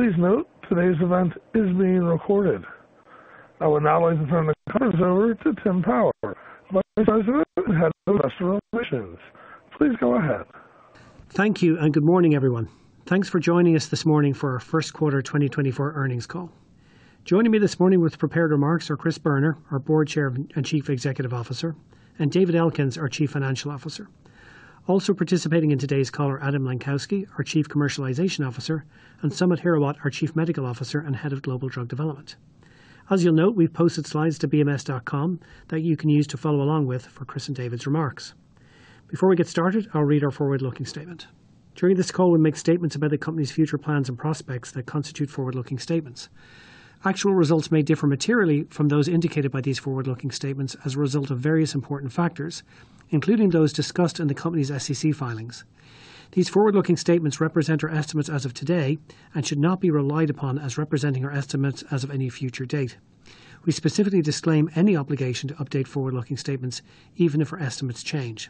Please note today's event is being recorded. I would now like to turn the call over to Tim Power, Vice President of Investor Relations. Please go ahead. Thank you and good morning, everyone. Thanks for joining us this morning for our first quarter 2024 earnings call. Joining me this morning with prepared remarks are Chris Boerner, our Board Chair and Chief Executive Officer, and David Elkins, our Chief Financial Officer. Also participating in today's call are Adam Lenkowsky, our Chief Commercialization Officer, and Samit Hirawat, our Chief Medical Officer and Head of Global Drug Development. As you'll note, we've posted Slides to bms.com that you can use to follow along with for Chris and David's remarks. Before we get started, I'll read our forward-looking statement. During this call, we make statements about the company's future plans and prospects that constitute forward-looking statements. Actual results may differ materially from those indicated by these forward-looking statements as a result of various important factors, including those discussed in the company's SEC filings. These forward-looking statements represent our estimates as of today and should not be relied upon as representing our estimates as of any future date. We specifically disclaim any obligation to update forward-looking statements, even if our estimates change.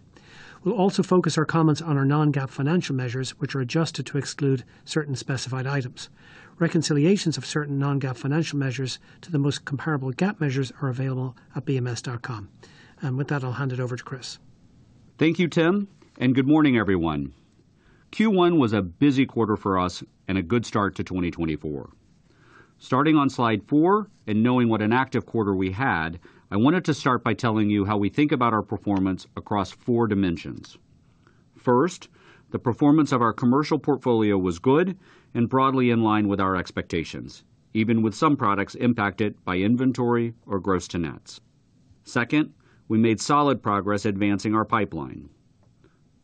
We'll also focus our comments on our non-GAAP financial measures, which are adjusted to exclude certain specified items. Reconciliations of certain non-GAAP financial measures to the most comparable GAAP measures are available at bms.com. With that, I'll hand it over to Chris. Thank you, Tim, and good morning, everyone. Q1 was a busy quarter for us and a good start to 2024. Starting on Slide 4 and knowing what an active quarter we had, I wanted to start by telling you how we think about our performance across four dimensions. First, the performance of our commercial portfolio was good and broadly in line with our expectations, even with some products impacted by inventory or gross-to-nets. Second, we made solid progress advancing our pipeline.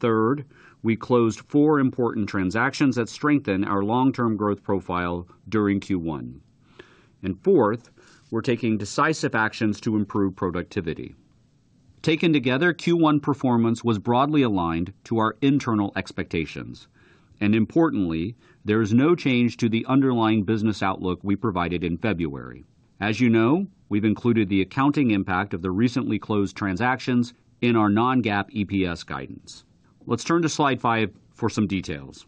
Third, we closed four important transactions that strengthen our long-term growth profile during Q1. And fourth, we're taking decisive actions to improve productivity. Taken together, Q1 performance was broadly aligned to our internal expectations. And importantly, there is no change to the underlying business outlook we provided in February. As you know, we've included the accounting impact of the recently closed transactions in our non-GAAP EPS guidance. Let's turn to Slide 5 for some details.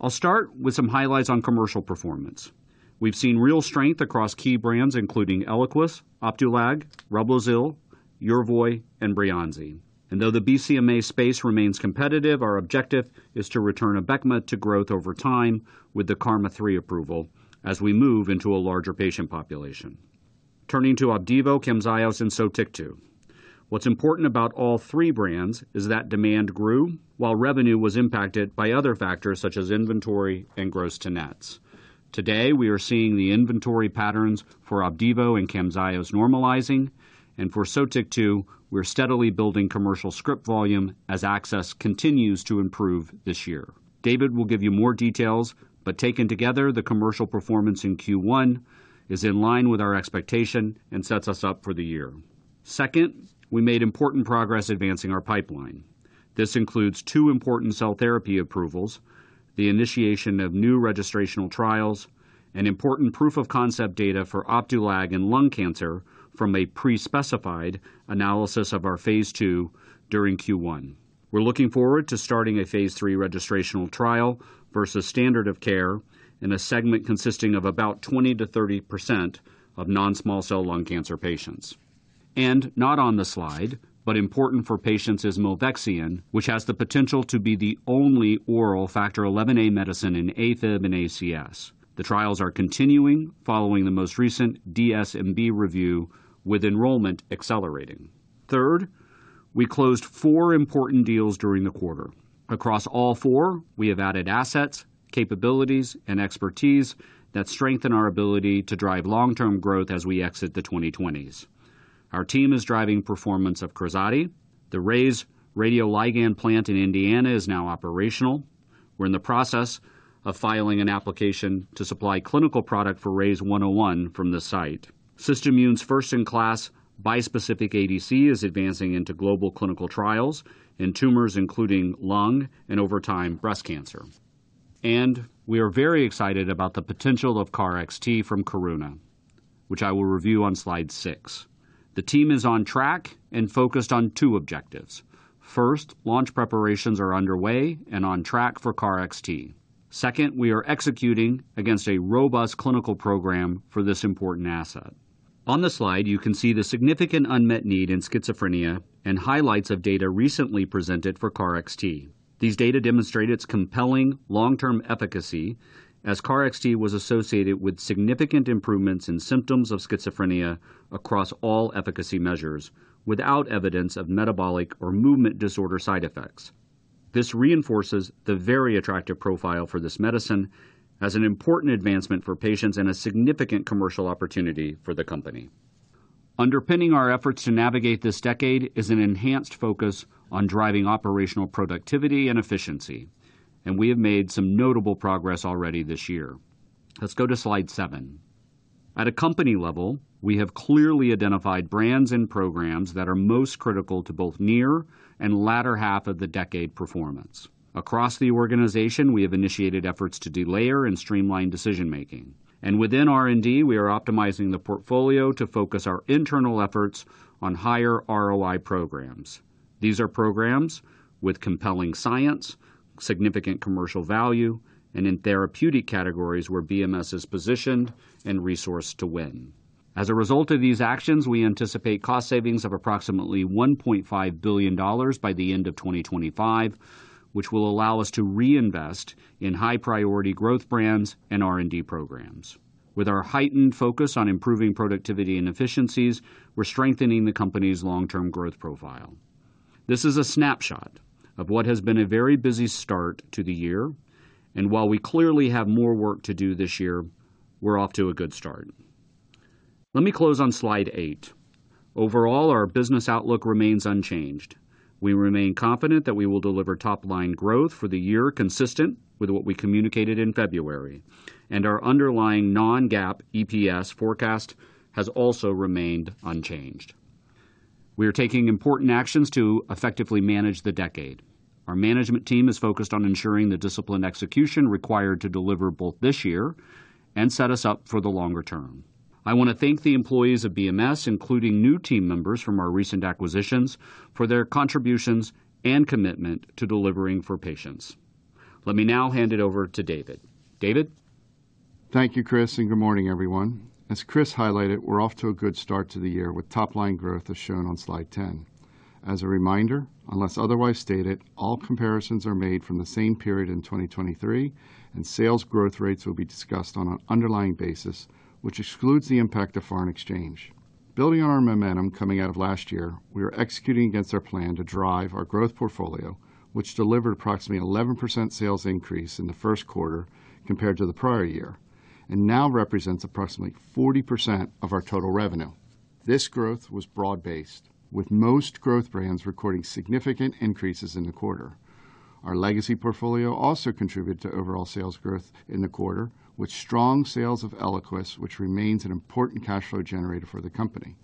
I'll start with some highlights on commercial performance. We've seen real strength across key brands, including ELIQUIS, Opdualag, REBLOZYL, YERVOY, and BREYANZI. And though the BCMA space remains competitive, our objective is to return ABECMA to growth over time with the KarMMa-3 approval as we move into a larger patient population. Turning to OPDIVO, CAMZYOS, and SOTYKTU. What's important about all three brands is that demand grew while revenue was impacted by other factors such as inventory and gross-to-nets. Today, we are seeing the inventory patterns for OPDIVO and CAMZYOS normalizing. And for SOTYKTU, we're steadily building commercial script volume as access continues to improve this year. David will give you more details, but taken together, the commercial performance in Q1 is in line with our expectation and sets us up for the year. Second, we made important progress advancing our pipeline. This includes two important cell therapy approvals, the initiation of new registrational trials, and important proof-of-concept data for Opdualag and lung cancer from a pre-specified analysis of our phase II during Q1. We're looking forward to starting a phase III registrational trial versus standard of care in a segment consisting of about 20%-30% of non-small cell lung cancer patients. Not on the slide, but important for patients is Milvexian, which has the potential to be the only oral factor XIa medicine in AFib and ACS. The trials are continuing following the most recent DSMB review, with enrollment accelerating. Third, we closed four important deals during the quarter. Across all four, we have added assets, capabilities, and expertise that strengthen our ability to drive long-term growth as we exit the 2020s. Our team is driving performance of KRAZATI. The RayzeBio radioligand plant in Indiana is now operational. We're in the process of filing an application to supply clinical product for RYZ101 from this site. SystImmune's first-in-class bispecific ADC is advancing into global clinical trials in tumors including lung and, over time, breast cancer. And we are very excited about the potential of KarXT from Karuna, which I will review on Slide 6. The team is on track and focused on two objectives. First, launch preparations are underway and on track for KarXT. Second, we are executing against a robust clinical program for this important asset. On the slide, you can see the significant unmet need in schizophrenia and highlights of data recently presented for KarXT. These data demonstrate its compelling long-term efficacy as KarXT was associated with significant improvements in symptoms of schizophrenia across all efficacy measures without evidence of metabolic or movement disorder side effects. This reinforces the very attractive profile for this medicine as an important advancement for patients and a significant commercial opportunity for the company. Underpinning our efforts to navigate this decade is an enhanced focus on driving operational productivity and efficiency. We have made some notable progress already this year. Let's go to Slide 7. At a company level, we have clearly identified brands and programs that are most critical to both near and latter half of the decade performance. Across the organization, we have initiated efforts to delayer and streamline decision-making. Within R&D, we are optimizing the portfolio to focus our internal efforts on higher ROI programs. These are programs with compelling science, significant commercial value, and in therapeutic categories where BMS is positioned and resourced to win. As a result of these actions, we anticipate cost savings of approximately $1.5 billion by the end of 2025, which will allow us to reinvest in high-priority growth brands and R&D programs. With our heightened focus on improving productivity and efficiencies, we're strengthening the company's long-term growth profile. This is a snapshot of what has been a very busy start to the year. And while we clearly have more work to do this year, we're off to a good start. Let me close on Slide 8. Overall, our business outlook remains unchanged. We remain confident that we will deliver top-line growth for the year consistent with what we communicated in February. And our underlying non-GAAP EPS forecast has also remained unchanged. We are taking important actions to effectively manage the decade. Our management team is focused on ensuring the disciplined execution required to deliver both this year and set us up for the longer term. I want to thank the employees of BMS, including new team members from our recent acquisitions, for their contributions and commitment to delivering for patients. Let me now hand it over to David. David? Thank you, Chris, and good morning, everyone. As Chris highlighted, we're off to a good start to the year with top-line growth as shown on Slide 10. As a reminder, unless otherwise stated, all comparisons are made from the same period in 2023. Sales growth rates will be discussed on an underlying basis, which excludes the impact of foreign exchange. Building on our momentum coming out of last year, we are executing against our plan to drive our growth portfolio, which delivered approximately 11% sales increase in the first quarter compared to the prior year and now represents approximately 40% of our total revenue. This growth was broad-based, with most growth brands recording significant increases in the quarter. Our legacy portfolio also contributed to overall sales growth in the quarter, with strong sales of ELIQUIS, which remains an important cash flow generator for the company.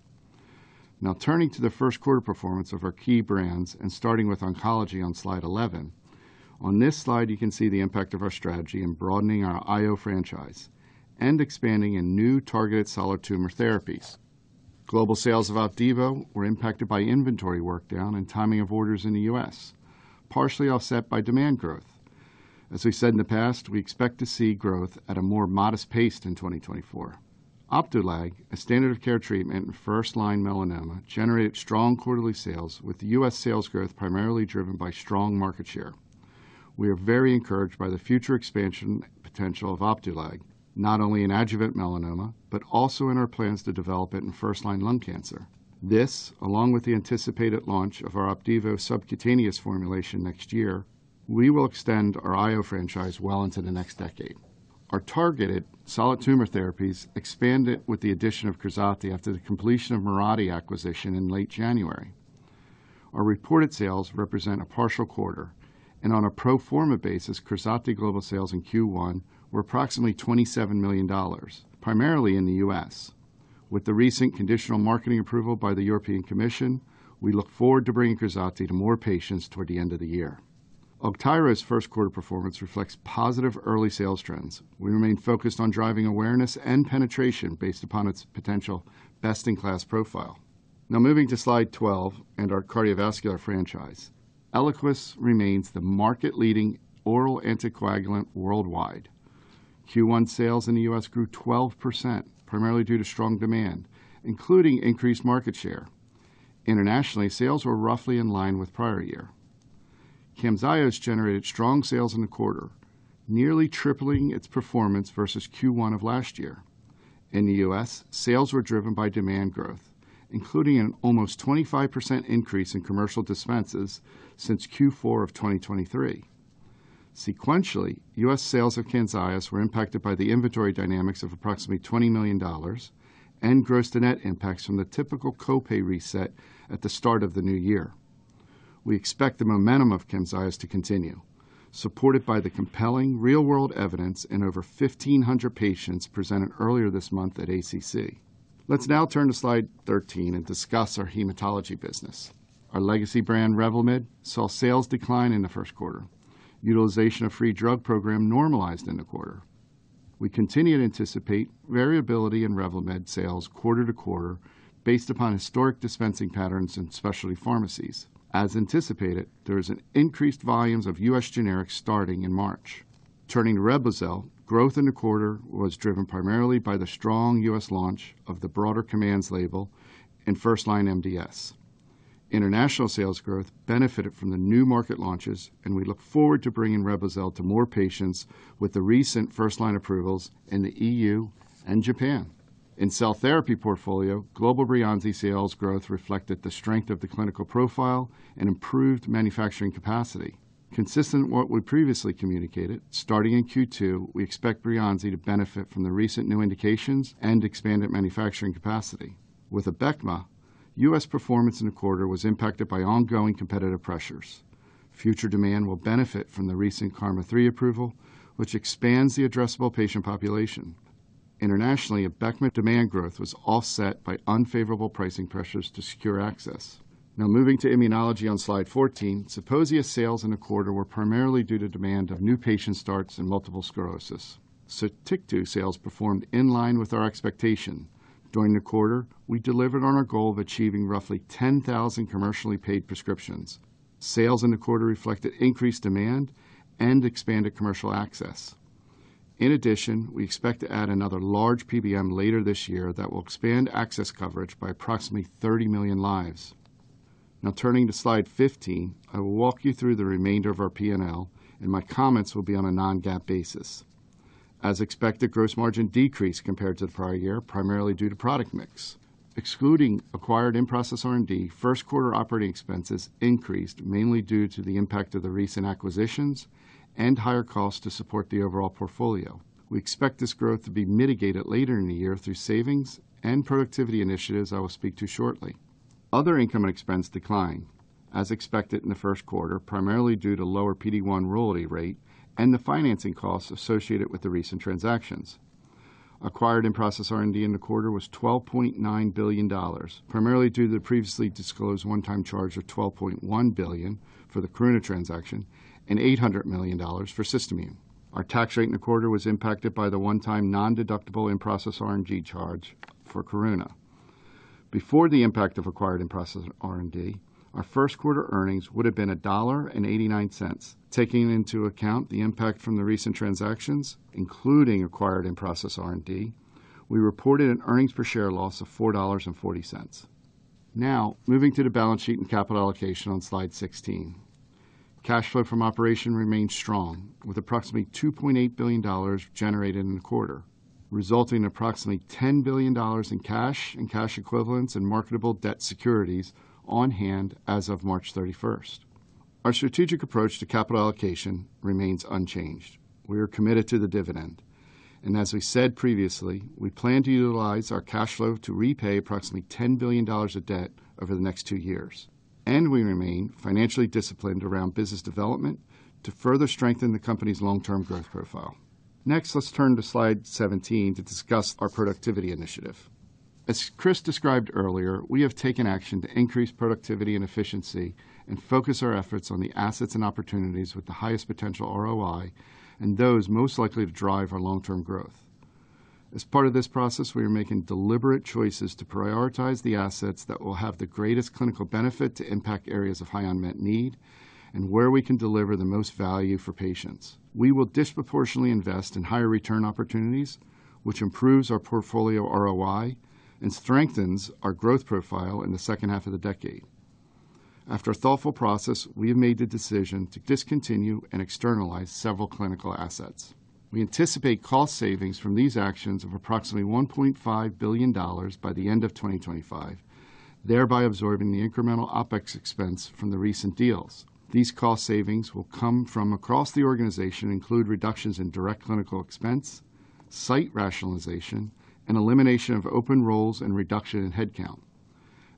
Now turning to the first quarter performance of our key brands and starting with oncology on Slide 11. On this slide, you can see the impact of our strategy in broadening our IO franchise and expanding in new targeted solid tumor therapies. Global sales of OPDIVO were impacted by inventory workdown and timing of orders in the U.S., partially offset by demand growth. As we said in the past, we expect to see growth at a more modest pace in 2024. Opdualag, a standard of care treatment in first-line melanoma, generated strong quarterly sales, with U.S. sales growth primarily driven by strong market share. We are very encouraged by the future expansion potential of Opdualag, not only in adjuvant melanoma but also in our plans to develop it in first-line lung cancer. This, along with the anticipated launch of our OPDIVO subcutaneous formulation next year, we will extend our IO franchise well into the next decade. Our targeted solid tumor therapies expanded with the addition of KRAZATI after the completion of Mirati acquisition in late January. Our reported sales represent a partial quarter. On a pro forma basis, KRAZATI global sales in Q1 were approximately $27 million, primarily in the U.S. With the recent conditional marketing approval by the European Commission, we look forward to bringing KRAZATI to more patients toward the end of the year. KRAZATI's first quarter performance reflects positive early sales trends. We remain focused on driving awareness and penetration based upon its potential best-in-class profile. Now moving to Slide 12 and our cardiovascular franchise. ELIQUIS remains the market-leading oral anticoagulant worldwide. Q1 sales in the U.S. grew 12%, primarily due to strong demand, including increased market share. Internationally, sales were roughly in line with prior year. CAMZYOS generated strong sales in the quarter, nearly tripling its performance versus Q1 of last year. In the U.S., sales were driven by demand growth, including an almost 25% increase in commercial dispenses since Q4 of 2023. Sequentially, U.S. sales of CAMZYOS were impacted by the inventory dynamics of approximately $20 million and gross-to-net impacts from the typical copay reset at the start of the new year. We expect the momentum of CAMZYOS to continue, supported by the compelling real-world evidence in over 1,500 patients presented earlier this month at ACC. Let's now turn to Slide 13 and discuss our hematology business. Our legacy brand REVLIMID saw sales decline in the first quarter. Utilization of free drug program normalized in the quarter. We continue to anticipate variability in REVLIMID sales quarter to quarter based upon historic dispensing patterns in specialty pharmacies. As anticipated, there is an increased volume of U.S. generics starting in March. Turning to REBLOZYL, growth in the quarter was driven primarily by the strong U.S. launch of the broader commercial label in first-line MDS. International sales growth benefited from the new market launches. We look forward to bringing REBLOZYL to more patients with the recent first-line approvals in the EU and Japan. In cell therapy portfolio, global BREYANZI sales growth reflected the strength of the clinical profile and improved manufacturing capacity. Consistent with what we previously communicated, starting in Q2, we expect BREYANZI to benefit from the recent new indications and expanded manufacturing capacity. With ABECMA, U.S. performance in the quarter was impacted by ongoing competitive pressures. Future demand will benefit from the recent KarMMa-3 approval, which expands the addressable patient population. Internationally, ABECMA demand growth was offset by unfavorable pricing pressures to secure access. Now moving to immunology on Slide 14. Zeposia sales in the quarter were primarily due to demand of new patient starts in multiple sclerosis. SOTYKTU sales performed in line with our expectation. During the quarter, we delivered on our goal of achieving roughly 10,000 commercially paid prescriptions. Sales in the quarter reflected increased demand and expanded commercial access. In addition, we expect to add another large PBM later this year that will expand access coverage by approximately 30 million lives. Now turning to Slide 15, I will walk you through the remainder of our P&L. And my comments will be on a non-GAAP basis. As expected, gross margin decreased compared to the prior year, primarily due to product mix. Excluding acquired in-process R&D, first quarter operating expenses increased mainly due to the impact of the recent acquisitions and higher costs to support the overall portfolio. We expect this growth to be mitigated later in the year through savings and productivity initiatives I will speak to shortly. Other income and expense declined, as expected in the first quarter, primarily due to lower PD-1 royalty rate and the financing costs associated with the recent transactions. Acquired in-process R&D in the quarter was $12.9 billion, primarily due to the previously disclosed one-time charge of $12.1 billion for the Karuna transaction and $800 million for SystImmune. Our tax rate in the quarter was impacted by the one-time non-deductible in-process R&D charge for Karuna. Before the impact of acquired in-process R&D, our first quarter earnings would have been $1.89. Taking into account the impact from the recent transactions, including acquired in-process R&D, we reported an earnings per share loss of $4.40. Now moving to the balance sheet and capital allocation on Slide 16. Cash flow from operations remained strong, with approximately $2.8 billion generated in the quarter, resulting in approximately $10 billion in cash and cash equivalents and marketable debt securities on hand as of March 31st. Our strategic approach to capital allocation remains unchanged. We are committed to the dividend. And as we said previously, we plan to utilize our cash flow to repay approximately $10 billion of debt over the next two years. And we remain financially disciplined around business development to further strengthen the company's long-term growth profile. Next, let's turn to Slide 17 to discuss our productivity initiative. As Chris described earlier, we have taken action to increase productivity and efficiency and focus our efforts on the assets and opportunities with the highest potential ROI and those most likely to drive our long-term growth. As part of this process, we are making deliberate choices to prioritize the assets that will have the greatest clinical benefit to impact areas of high unmet need and where we can deliver the most value for patients. We will disproportionately invest in higher return opportunities, which improves our portfolio ROI and strengthens our growth profile in the second half of the decade. After a thoughtful process, we have made the decision to discontinue and externalize several clinical assets. We anticipate cost savings from these actions of approximately $1.5 billion by the end of 2025, thereby absorbing the incremental OpEx expense from the recent deals. These cost savings will come from across the organization, including reductions in direct clinical expense, site rationalization, and elimination of open roles and reduction in headcount.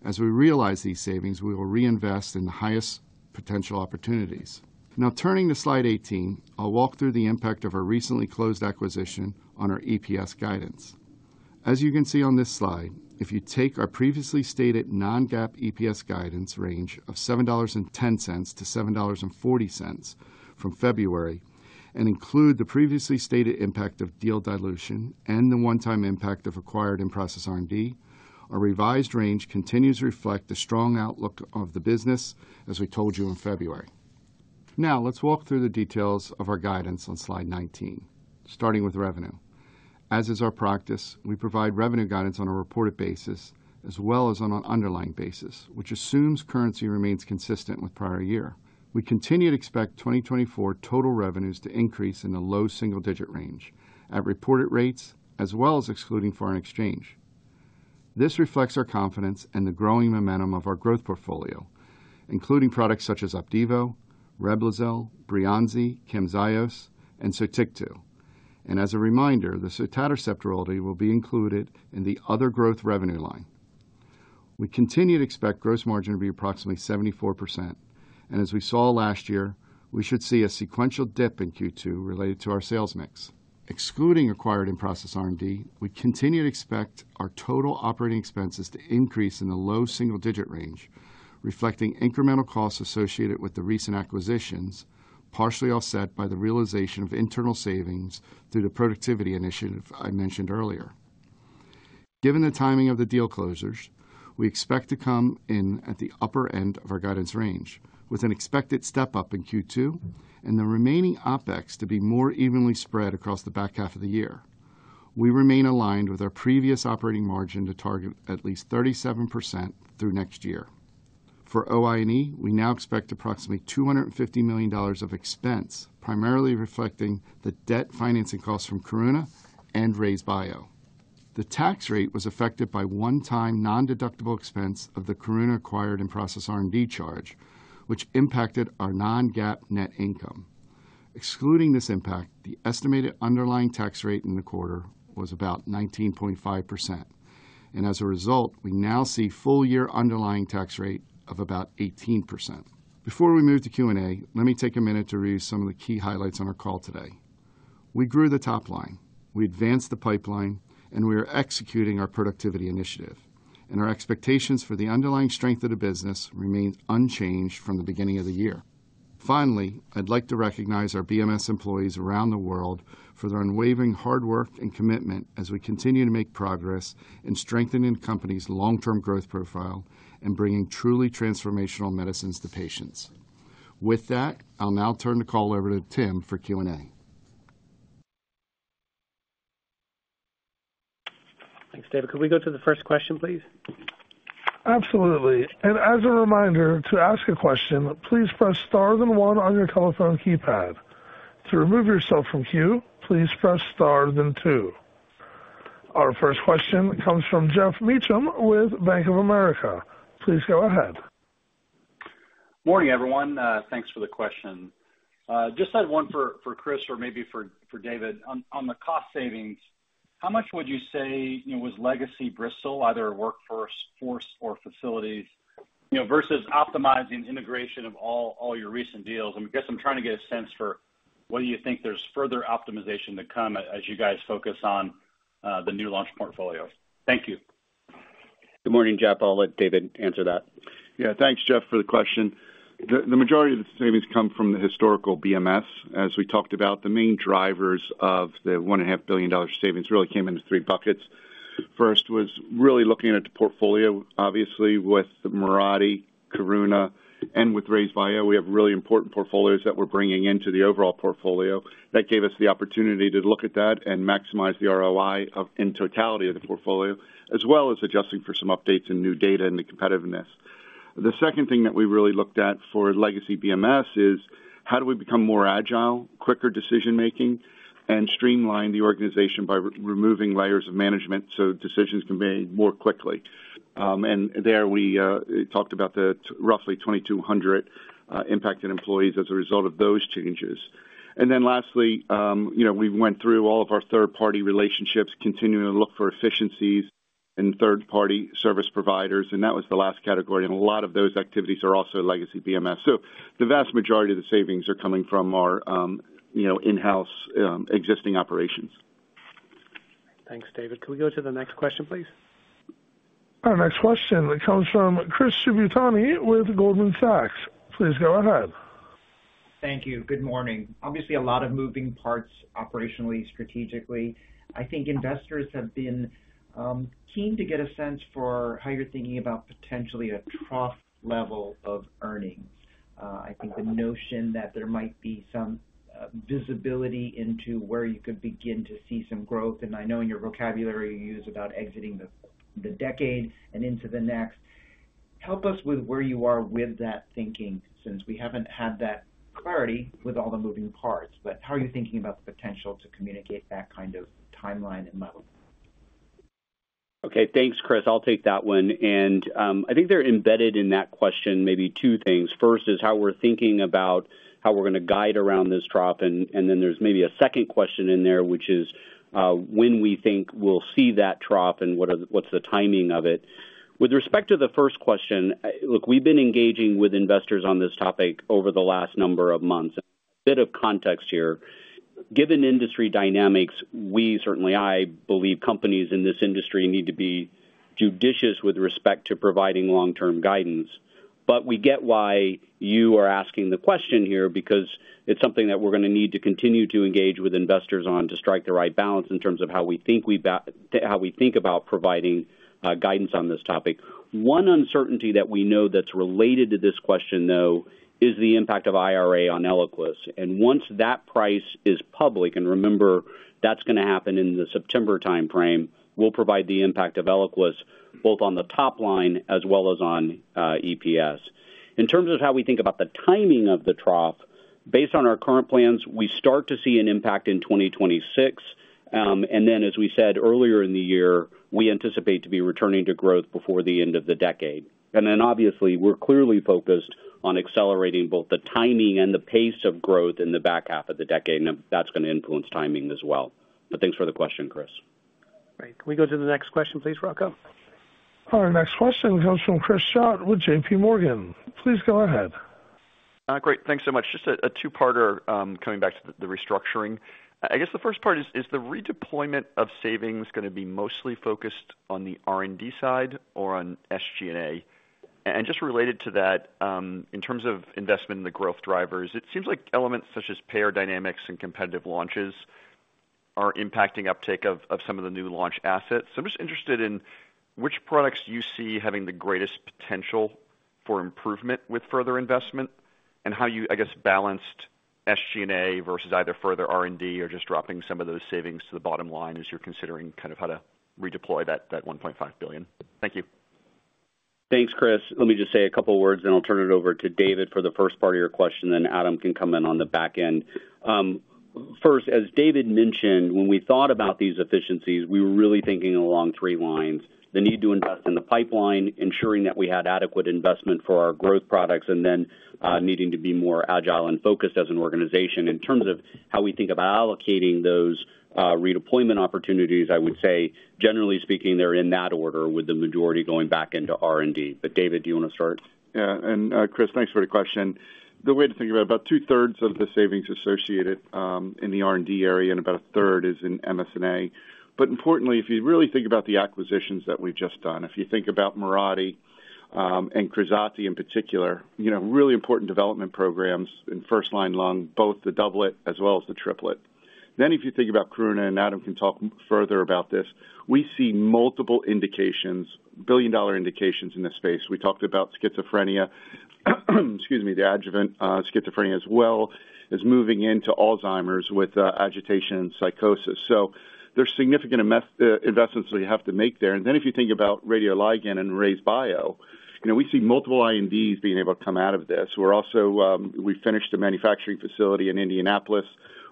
As we realize these savings, we will reinvest in the highest potential opportunities. Now turning to Slide 18, I'll walk through the impact of our recently closed acquisition on our EPS guidance. As you can see on this slide, if you take our previously stated non-GAAP EPS guidance range of $7.10-$7.40 from February and include the previously stated impact of deal dilution and the one-time impact of acquired in-process R&D, our revised range continues to reflect the strong outlook of the business, as we told you in February. Now let's walk through the details of our guidance on Slide 19, starting with revenue. As is our practice, we provide revenue guidance on a reported basis as well as on an underlying basis, which assumes currency remains consistent with prior year. We continue to expect 2024 total revenues to increase in the low single-digit range at reported rates as well as excluding foreign exchange. This reflects our confidence and the growing momentum of our growth portfolio, including products such as OPDIVO, REBLOZYL, BREYANZI, CAMZYOS, and SOTYKTU. As a reminder, the Cytokinetics royalty will be included in the other growth revenue line. We continue to expect gross margin to be approximately 74%. As we saw last year, we should see a sequential dip in Q2 related to our sales mix. Excluding acquired in-process R&D, we continue to expect our total operating expenses to increase in the low single-digit range, reflecting incremental costs associated with the recent acquisitions, partially offset by the realization of internal savings through the productivity initiative I mentioned earlier. Given the timing of the deal closures, we expect to come in at the upper end of our guidance range, with an expected step up in Q2 and the remaining OpEx to be more evenly spread across the back half of the year. We remain aligned with our previous operating margin to target at least 37% through next year. For OI&E, we now expect approximately $250 million of expense, primarily reflecting the debt financing costs from Karuna and RayzeBio. The tax rate was affected by one-time non-deductible expense of the Karuna acquired in-process R&D charge, which impacted our non-GAAP net income. Excluding this impact, the estimated underlying tax rate in the quarter was about 19.5%. And as a result, we now see full-year underlying tax rate of about 18%. Before we move to Q&A, let me take a minute to review some of the key highlights on our call today. We grew the top line. We advanced the pipeline. And we are executing our productivity initiative. And our expectations for the underlying strength of the business remain unchanged from the beginning of the year. Finally, I'd like to recognize our BMS employees around the world for their unwavering hard work and commitment as we continue to make progress in strengthening companies' long-term growth profile and bringing truly transformational medicines to patients. With that, I'll now turn the call over to Tim for Q&A. Thanks, David. Could we go to the first question, please? Absolutely. And as a reminder, to ask a question, please press star then one on your telephone keypad. To remove yourself from queue, please press star then two. Our first question comes from Geoff Meacham with Bank of America. Please go ahead. Morning, everyone. Thanks for the question. Just had one for Chris or maybe for David. On the cost savings, how much would you say was legacy Bristol, either workforce or facilities, versus optimizing integration of all your recent deals? I guess I'm trying to get a sense for whether you think there's further optimization to come as you guys focus on the new launch portfolio. Thank you. Good morning, Geoff. I'll let David answer that. Yeah. Thanks, Geoff, for the question. The majority of the savings come from the historical BMS. As we talked about, the main drivers of the $1.5 billion savings really came into three buckets. First was really looking at the portfolio, obviously, with Mirati, Karuna, and with RayzeBio. We have really important portfolios that we're bringing into the overall portfolio. That gave us the opportunity to look at that and maximize the ROI in totality of the portfolio, as well as adjusting for some updates and new data in the competitiveness. The second thing that we really looked at for legacy BMS is how do we become more agile, quicker decision-making, and streamline the organization by removing layers of management so decisions can be made more quickly. And there, we talked about the roughly 2,200 impacted employees as a result of those changes. Then lastly, we went through all of our third-party relationships, continuing to look for efficiencies in third-party service providers. That was the last category. A lot of those activities are also legacy BMS. The vast majority of the savings are coming from our in-house existing operations. Thanks, David. Could we go to the next question, please? Our next question comes from Chris Shibutani with Goldman Sachs. Please go ahead. Thank you. Good morning. Obviously, a lot of moving parts operationally, strategically. I think investors have been keen to get a sense for how you're thinking about potentially a trough level of earnings. I think the notion that there might be some visibility into where you could begin to see some growth. And I know in your vocabulary, you use about exiting the decade and into the next. Help us with where you are with that thinking since we haven't had that clarity with all the moving parts. But how are you thinking about the potential to communicate that kind of timeline and model? Okay. Thanks, Chris. I'll take that one. And I think there are embedded in that question maybe two things. First is how we're thinking about how we're going to guide around this trough. And then there's maybe a second question in there, which is when we think we'll see that trough and what's the timing of it. With respect to the first question, look, we've been engaging with investors on this topic over the last number of months. A bit of context here. Given industry dynamics, we certainly, I believe, companies in this industry need to be judicious with respect to providing long-term guidance. But we get why you are asking the question here because it's something that we're going to need to continue to engage with investors on to strike the right balance in terms of how we think about providing guidance on this topic. One uncertainty that we know that's related to this question, though, is the impact of IRA on ELIQUIS. And once that price is public and remember, that's going to happen in the September timeframe. We'll provide the impact of ELIQUIS both on the top line as well as on EPS. In terms of how we think about the timing of the trough, based on our current plans, we start to see an impact in 2026. And then, as we said earlier in the year, we anticipate to be returning to growth before the end of the decade. And then, obviously, we're clearly focused on accelerating both the timing and the pace of growth in the back half of the decade. And that's going to influence timing as well. But thanks for the question, Chris. Great. Can we go to the next question, please, Rocco? Our next question comes from Chris Schott with JPMorgan. Please go ahead. Great. Thanks so much. Just a two-parter coming back to the restructuring. I guess the first part is, is the redeployment of savings going to be mostly focused on the R&D side or on SG&A? And just related to that, in terms of investment in the growth drivers, it seems like elements such as payer dynamics and competitive launches are impacting uptake of some of the new launch assets. So I'm just interested in which products you see having the greatest potential for improvement with further investment and how you, I guess, balanced SG&A versus either further R&D or just dropping some of those savings to the bottom line as you're considering kind of how to redeploy that $1.5 billion. Thank you. Thanks, Chris. Let me just say a couple of words, then I'll turn it over to David for the first part of your question. Then Adam can come in on the back end. First, as David mentioned, when we thought about these efficiencies, we were really thinking along three lines: the need to invest in the pipeline, ensuring that we had adequate investment for our growth products, and then needing to be more agile and focused as an organization. In terms of how we think about allocating those redeployment opportunities, I would say, generally speaking, they're in that order with the majority going back into R&D. But David, do you want to start? Yeah. Chris, thanks for the question. The way to think about it, about 2/3 of the savings associated in the R&D area and about a third is in MS&A. But importantly, if you really think about the acquisitions that we've just done, if you think about Mirati and KRAZATI in particular, really important development programs in first-line lung, both the doublet as well as the triplet. Then if you think about Karuna and Adam can talk further about this, we see multiple billion-dollar indications in this space. We talked about schizophrenia excuse me, the adjuvant schizophrenia as well as moving into Alzheimer's with agitation and psychosis. So there's significant investments that we have to make there. And then if you think about RayzeBio, we see multiple INDs being able to come out of this. We've finished a manufacturing facility in Indianapolis.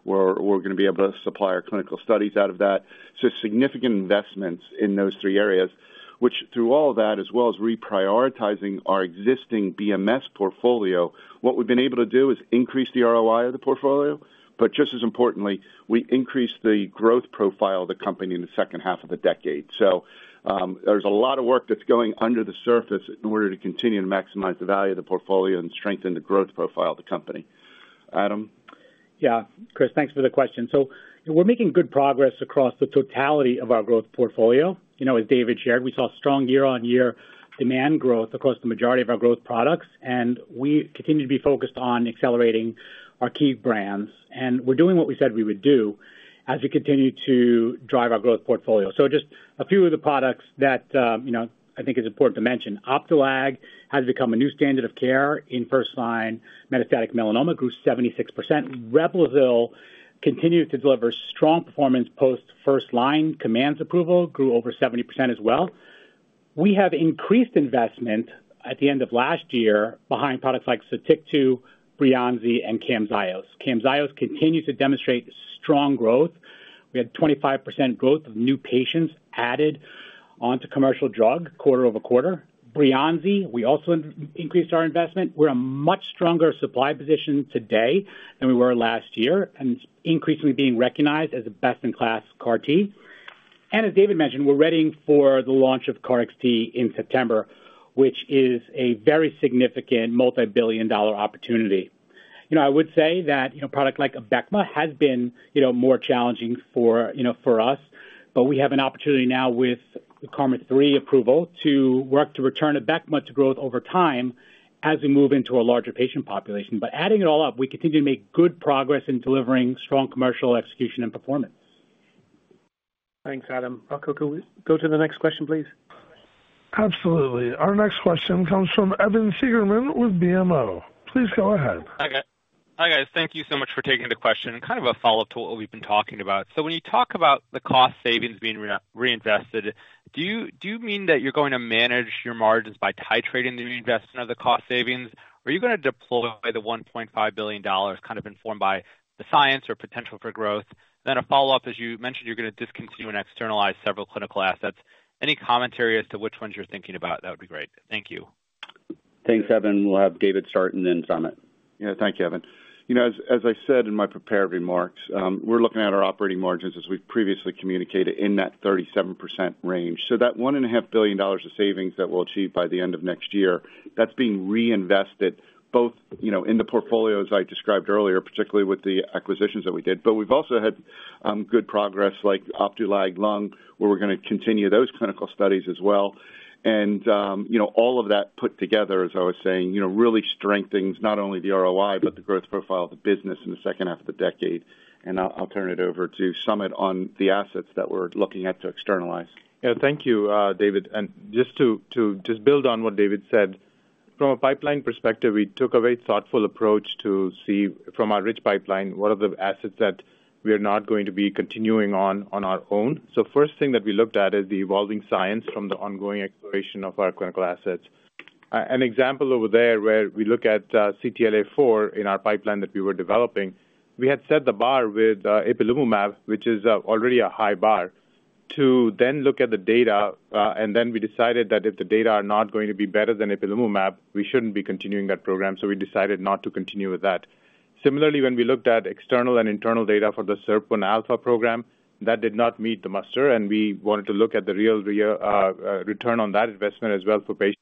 We're going to be able to supply our clinical studies out of that. So significant investments in those three areas, which through all of that, as well as reprioritizing our existing BMS portfolio, what we've been able to do is increase the ROI of the portfolio. But just as importantly, we increased the growth profile of the company in the second half of the decade. So there's a lot of work that's going under the surface in order to continue to maximize the value of the portfolio and strengthen the growth profile of the company. Adam? Yeah. Chris, thanks for the question. So we're making good progress across the totality of our growth portfolio. As David shared, we saw strong year-on-year demand growth across the majority of our growth products. And we continue to be focused on accelerating our key brands. And we're doing what we said we would do as we continue to drive our growth portfolio. So just a few of the products that I think is important to mention. Opdualag has become a new standard of care in first-line metastatic melanoma, grew 76%. REBLOZYL continued to deliver strong performance post-first-line commands approval, grew over 70% as well. We have increased investment at the end of last year behind products like SOTYKTU, BREYANZI, and CAMZYOS. CAMZYOS continues to demonstrate strong growth. We had 25% growth of new patients added onto commercial drug quarter-over-quarter. BREYANZI, we also increased our investment. We're a much stronger supply position today than we were last year and increasingly being recognized as a best-in-class CAR T. As David mentioned, we're readying for the launch of KarXT in September, which is a very significant multi-billion-dollar opportunity. I would say that a product like ABECMA has been more challenging for us. We have an opportunity now with the KarMMa-3 approval to return ABECMA to growth over time as we move into a larger patient population. Adding it all up, we continue to make good progress in delivering strong commercial execution and performance. Thanks, Adam. Rocco, could we go to the next question, please? Absolutely. Our next question comes from Evan Seigerman with BMO. Please go ahead. Hi guys. Thank you so much for taking the question. Kind of a follow-up to what we've been talking about. So when you talk about the cost savings being reinvested, do you mean that you're going to manage your margins by titrating the reinvestment of the cost savings? Are you going to deploy the $1.5 billion kind of informed by the science or potential for growth? And then a follow-up, as you mentioned, you're going to discontinue and externalize several clinical assets. Any commentary as to which ones you're thinking about? That would be great. Thank you. Thanks, Evan. We'll have David start and then Samit. Yeah. Thank you, Evan. As I said in my prepared remarks, we're looking at our operating margins, as we've previously communicated, in that 37% range. So that $1.5 billion of savings that we'll achieve by the end of next year, that's being reinvested both in the portfolios I described earlier, particularly with the acquisitions that we did. But we've also had good progress like Opdualag Lung, where we're going to continue those clinical studies as well. And all of that put together, as I was saying, really strengthens not only the ROI but the growth profile of the business in the second half of the decade. And I'll turn it over to Samit on the assets that we're looking at to externalize. Yeah. Thank you, David. Just to build on what David said, from a pipeline perspective, we took a very thoughtful approach to see from our rich pipeline what are the assets that we are not going to be continuing on our own. So first thing that we looked at is the evolving science from the ongoing exploration of our clinical assets. An example over there where we look at CTLA-4 in our pipeline that we were developing, we had set the bar with ipilimumab, which is already a high bar, to then look at the data. And then we decided that if the data are not going to be better than ipilimumab, we shouldn't be continuing that program. So we decided not to continue with that. Similarly, when we looked at external and internal data for the SIRPalpha program, that did not meet the muster. We wanted to look at the real return on that investment as well for patients.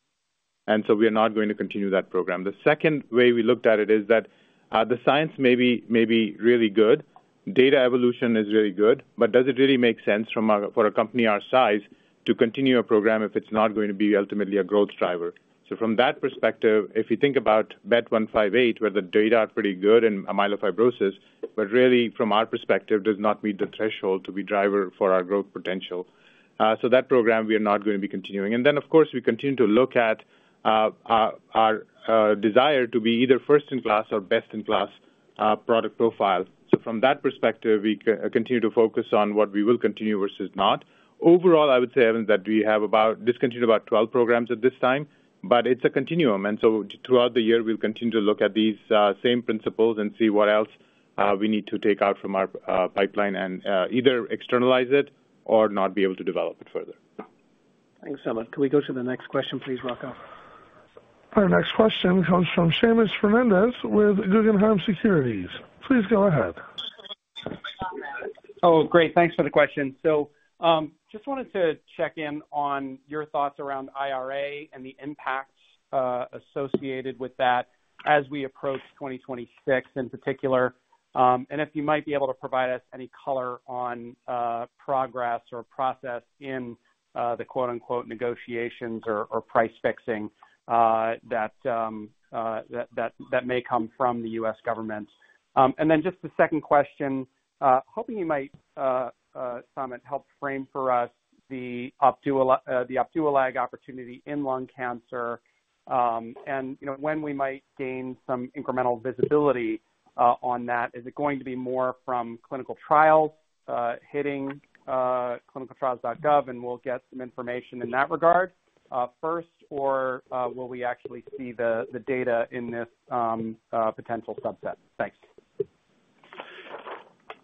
And so we are not going to continue that program. The second way we looked at it is that the science may be really good. Data evolution is really good. But does it really make sense for a company our size to continue a program if it's not going to be ultimately a growth driver? So from that perspective, if you think about BET-158, where the data are pretty good in myelofibrosis, but really, from our perspective, does not meet the threshold to be a driver for our growth potential. So that program, we are not going to be continuing. And then, of course, we continue to look at our desire to be either first-in-class or best-in-class product profile. So from that perspective, we continue to focus on what we will continue versus not. Overall, I would say, Evan, that we have discontinued about 12 programs at this time. But it's a continuum. And so throughout the year, we'll continue to look at these same principles and see what else we need to take out from our pipeline and either externalize it or not be able to develop it further. Thanks, Samit. Can we go to the next question, please, Rocco? Our next question comes from Seamus Fernandez with Guggenheim Securities. Please go ahead. Oh, great. Thanks for the question. So just wanted to check in on your thoughts around IRA and the impacts associated with that as we approach 2026 in particular. And if you might be able to provide us any color on progress or process in the "negotiations" or price fixing that may come from the U.S. government. And then just the second question, hoping you might, Samit, help frame for us the Opdualag opportunity in lung cancer and when we might gain some incremental visibility on that. Is it going to be more from clinical trials hitting ClinicalTrials.gov? And we'll get some information in that regard first. Or will we actually see the data in this potential subset?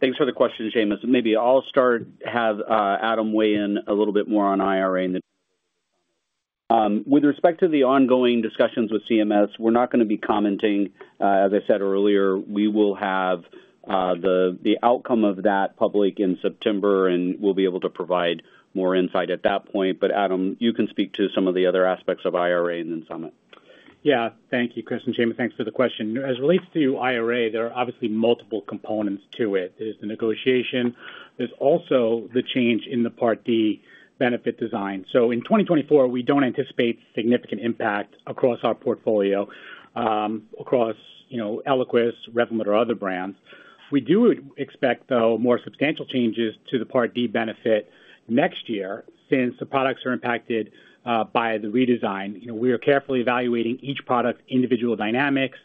Thanks. Thanks for the question, Seamus. And maybe I'll start have Adam weigh in a little bit more on IRA and the. With respect to the ongoing discussions with CMS, we're not going to be commenting. As I said earlier, we will have the outcome of that public in September. And we'll be able to provide more insight at that point. But Adam, you can speak to some of the other aspects of IRA and then Samit. Yeah. Thank you, Chris and Seamus. Thanks for the question. As it relates to IRA, there are obviously multiple components to it. There's the negotiation. There's also the change in the Part D benefit design. So in 2024, we don't anticipate significant impact across our portfolio, across ELIQUIS, REVLIMID, or other brands. We do expect, though, more substantial changes to the Part D benefit next year since the products are impacted by the redesign. We are carefully evaluating each product's individual dynamics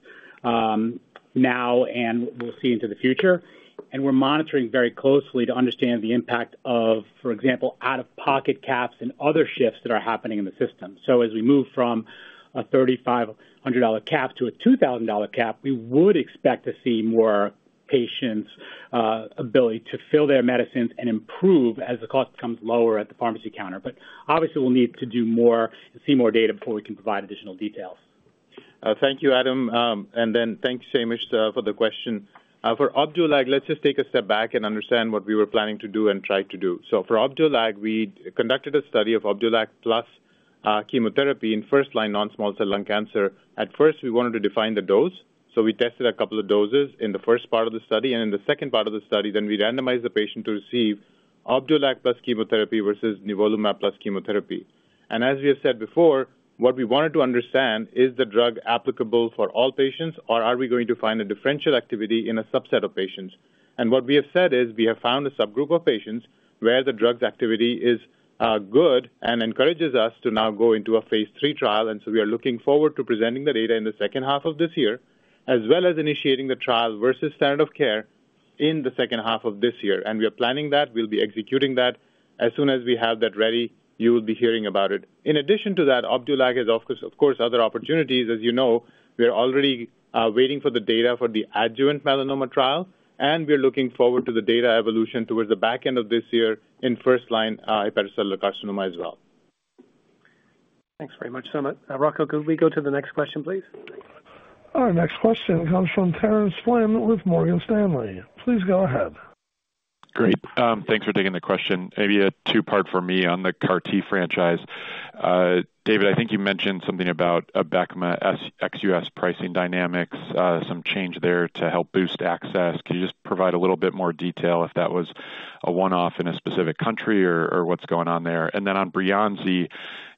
now and we'll see into the future. And we're monitoring very closely to understand the impact of, for example, out-of-pocket caps and other shifts that are happening in the system. So as we move from a $3,500 cap to a $2,000 cap, we would expect to see more patients' ability to fill their medicines and improve as the cost becomes lower at the pharmacy counter. But obviously, we'll need to do more and see more data before we can provide additional details. Thank you, Adam. And then thanks, Seamus, for the question. For Opdualag, let's just take a step back and understand what we were planning to do and tried to do. So for Opdualag, we conducted a study of Opdualag plus chemotherapy in first-line non-small cell lung cancer. At first, we wanted to define the dose. So we tested a couple of doses in the first part of the study. And in the second part of the study, then we randomized the patient to receive Opdualag plus chemotherapy versus nivolumab plus chemotherapy. And as we have said before, what we wanted to understand is the drug applicable for all patients? Or are we going to find a differential activity in a subset of patients? What we have said is we have found a subgroup of patients where the drug's activity is good and encourages us to now go into a phase III trial. So we are looking forward to presenting the data in the second half of this year as well as initiating the trial versus standard of care in the second half of this year. We are planning that. We'll be executing that. As soon as we have that ready, you will be hearing about it. In addition to that, Opdualag has, of course, other opportunities. As you know, we are already waiting for the data for the adjuvant melanoma trial. We are looking forward to the data evolution towards the back end of this year in first-line hepatocellular carcinoma as well. Thanks very much, Samit. Rocco, could we go to the next question, please? Our next question comes from Terence Flynn with Morgan Stanley. Please go ahead. Great. Thanks for taking the question. Maybe a two-part for me on the CAR T franchise. David, I think you mentioned something about ABECMA ex-U.S. pricing dynamics, some change there to help boost access. Could you just provide a little bit more detail if that was a one-off in a specific country or what's going on there? And then on BREYANZI,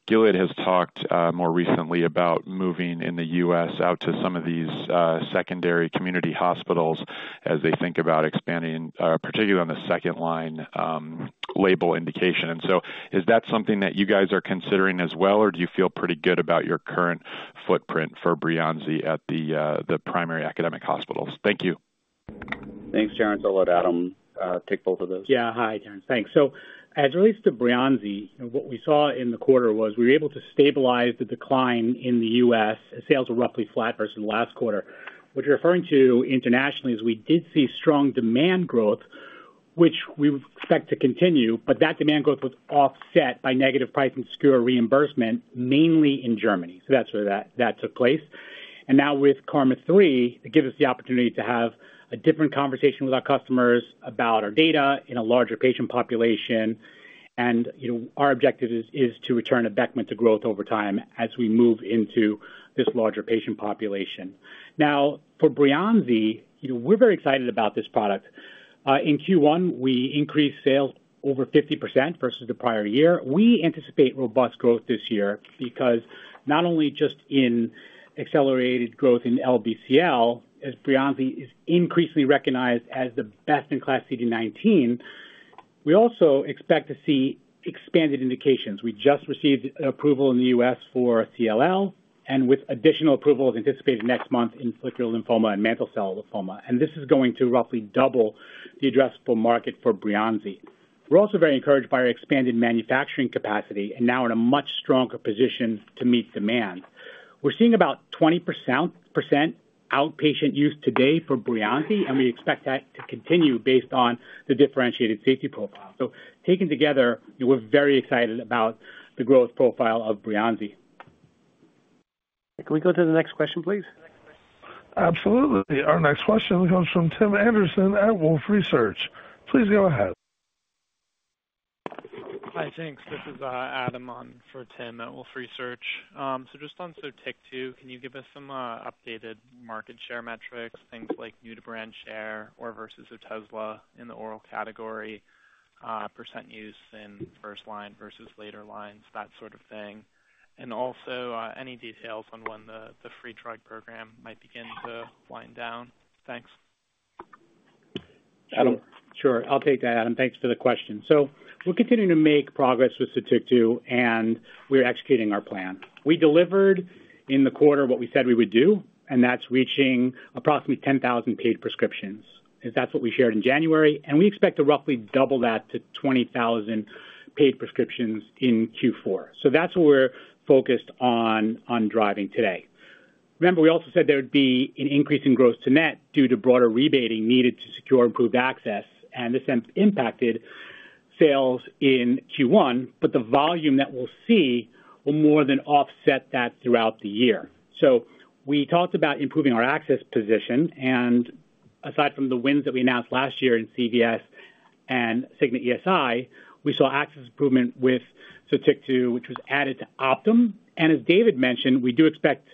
Gilead has talked more recently about moving in the U.S. out to some of these secondary community hospitals as they think about expanding, particularly on the second-line label indication. And so is that something that you guys are considering as well? Or do you feel pretty good about your current footprint for BREYANZI at the primary academic hospitals? Thank you. Thanks, Terence. I'll let Adam take both of those. Yeah. Hi, Terence. Thanks. So as it relates to BREYANZI, what we saw in the quarter was we were able to stabilize the decline in the U.S. Sales were roughly flat versus last quarter. What you're referring to internationally is we did see strong demand growth, which we expect to continue. But that demand growth was offset by negative pricing and reimbursement, mainly in Germany. So that's where that took place. And now with KarMMa-3, it gives us the opportunity to have a different conversation with our customers about our data in a larger patient population. And our objective is to return ABECMA to growth over time as we move into this larger patient population. Now, for BREYANZI, we're very excited about this product. In Q1, we increased sales over 50% versus the prior year. We anticipate robust growth this year because not only just in accelerated growth in LBCL, as BREYANZI is increasingly recognized as the best-in-class CD19, we also expect to see expanded indications. We just received approval in the U.S. for CLL. And with additional approval, it's anticipated next month in follicular lymphoma and mantle cell lymphoma. And this is going to roughly double the addressable market for BREYANZI. We're also very encouraged by our expanded manufacturing capacity and now in a much stronger position to meet demand. We're seeing about 20% outpatient use today for BREYANZI. And we expect that to continue based on the differentiated safety profile. So taken together, we're very excited about the growth profile of BREYANZI. Can we go to the next question, please? Absolutely. Our next question comes from Tim Anderson at Wolfe Research. Please go ahead. Hi. Thanks. This is Adam for Tim at Wolfe Research. So just on SOTYKTU, can you give us some updated market share metrics, things like new-to-brand share or versus Otezla in the oral category, percent use in first-line versus later lines, that sort of thing? And also any details on when the free drug program might begin to wind down. Thanks. Adam, sure. I'll take that, Adam. Thanks for the question. So we're continuing to make progress with SOTYKTU. We are executing our plan. We delivered in the quarter what we said we would do. That's reaching approximately 10,000 paid prescriptions. That's what we shared in January. We expect to roughly double that to 20,000 paid prescriptions in Q4. So that's what we're focused on driving today. Remember, we also said there would be an increase in gross-to-net due to broader rebating needed to secure improved access. This impacted sales in Q1. But the volume that we'll see will more than offset that throughout the year. So we talked about improving our access position. Aside from the wins that we announced last year in CVS and Cigna ESI, we saw access improvement with SOTYKTU, which was added to Optum. And as David mentioned, we do expect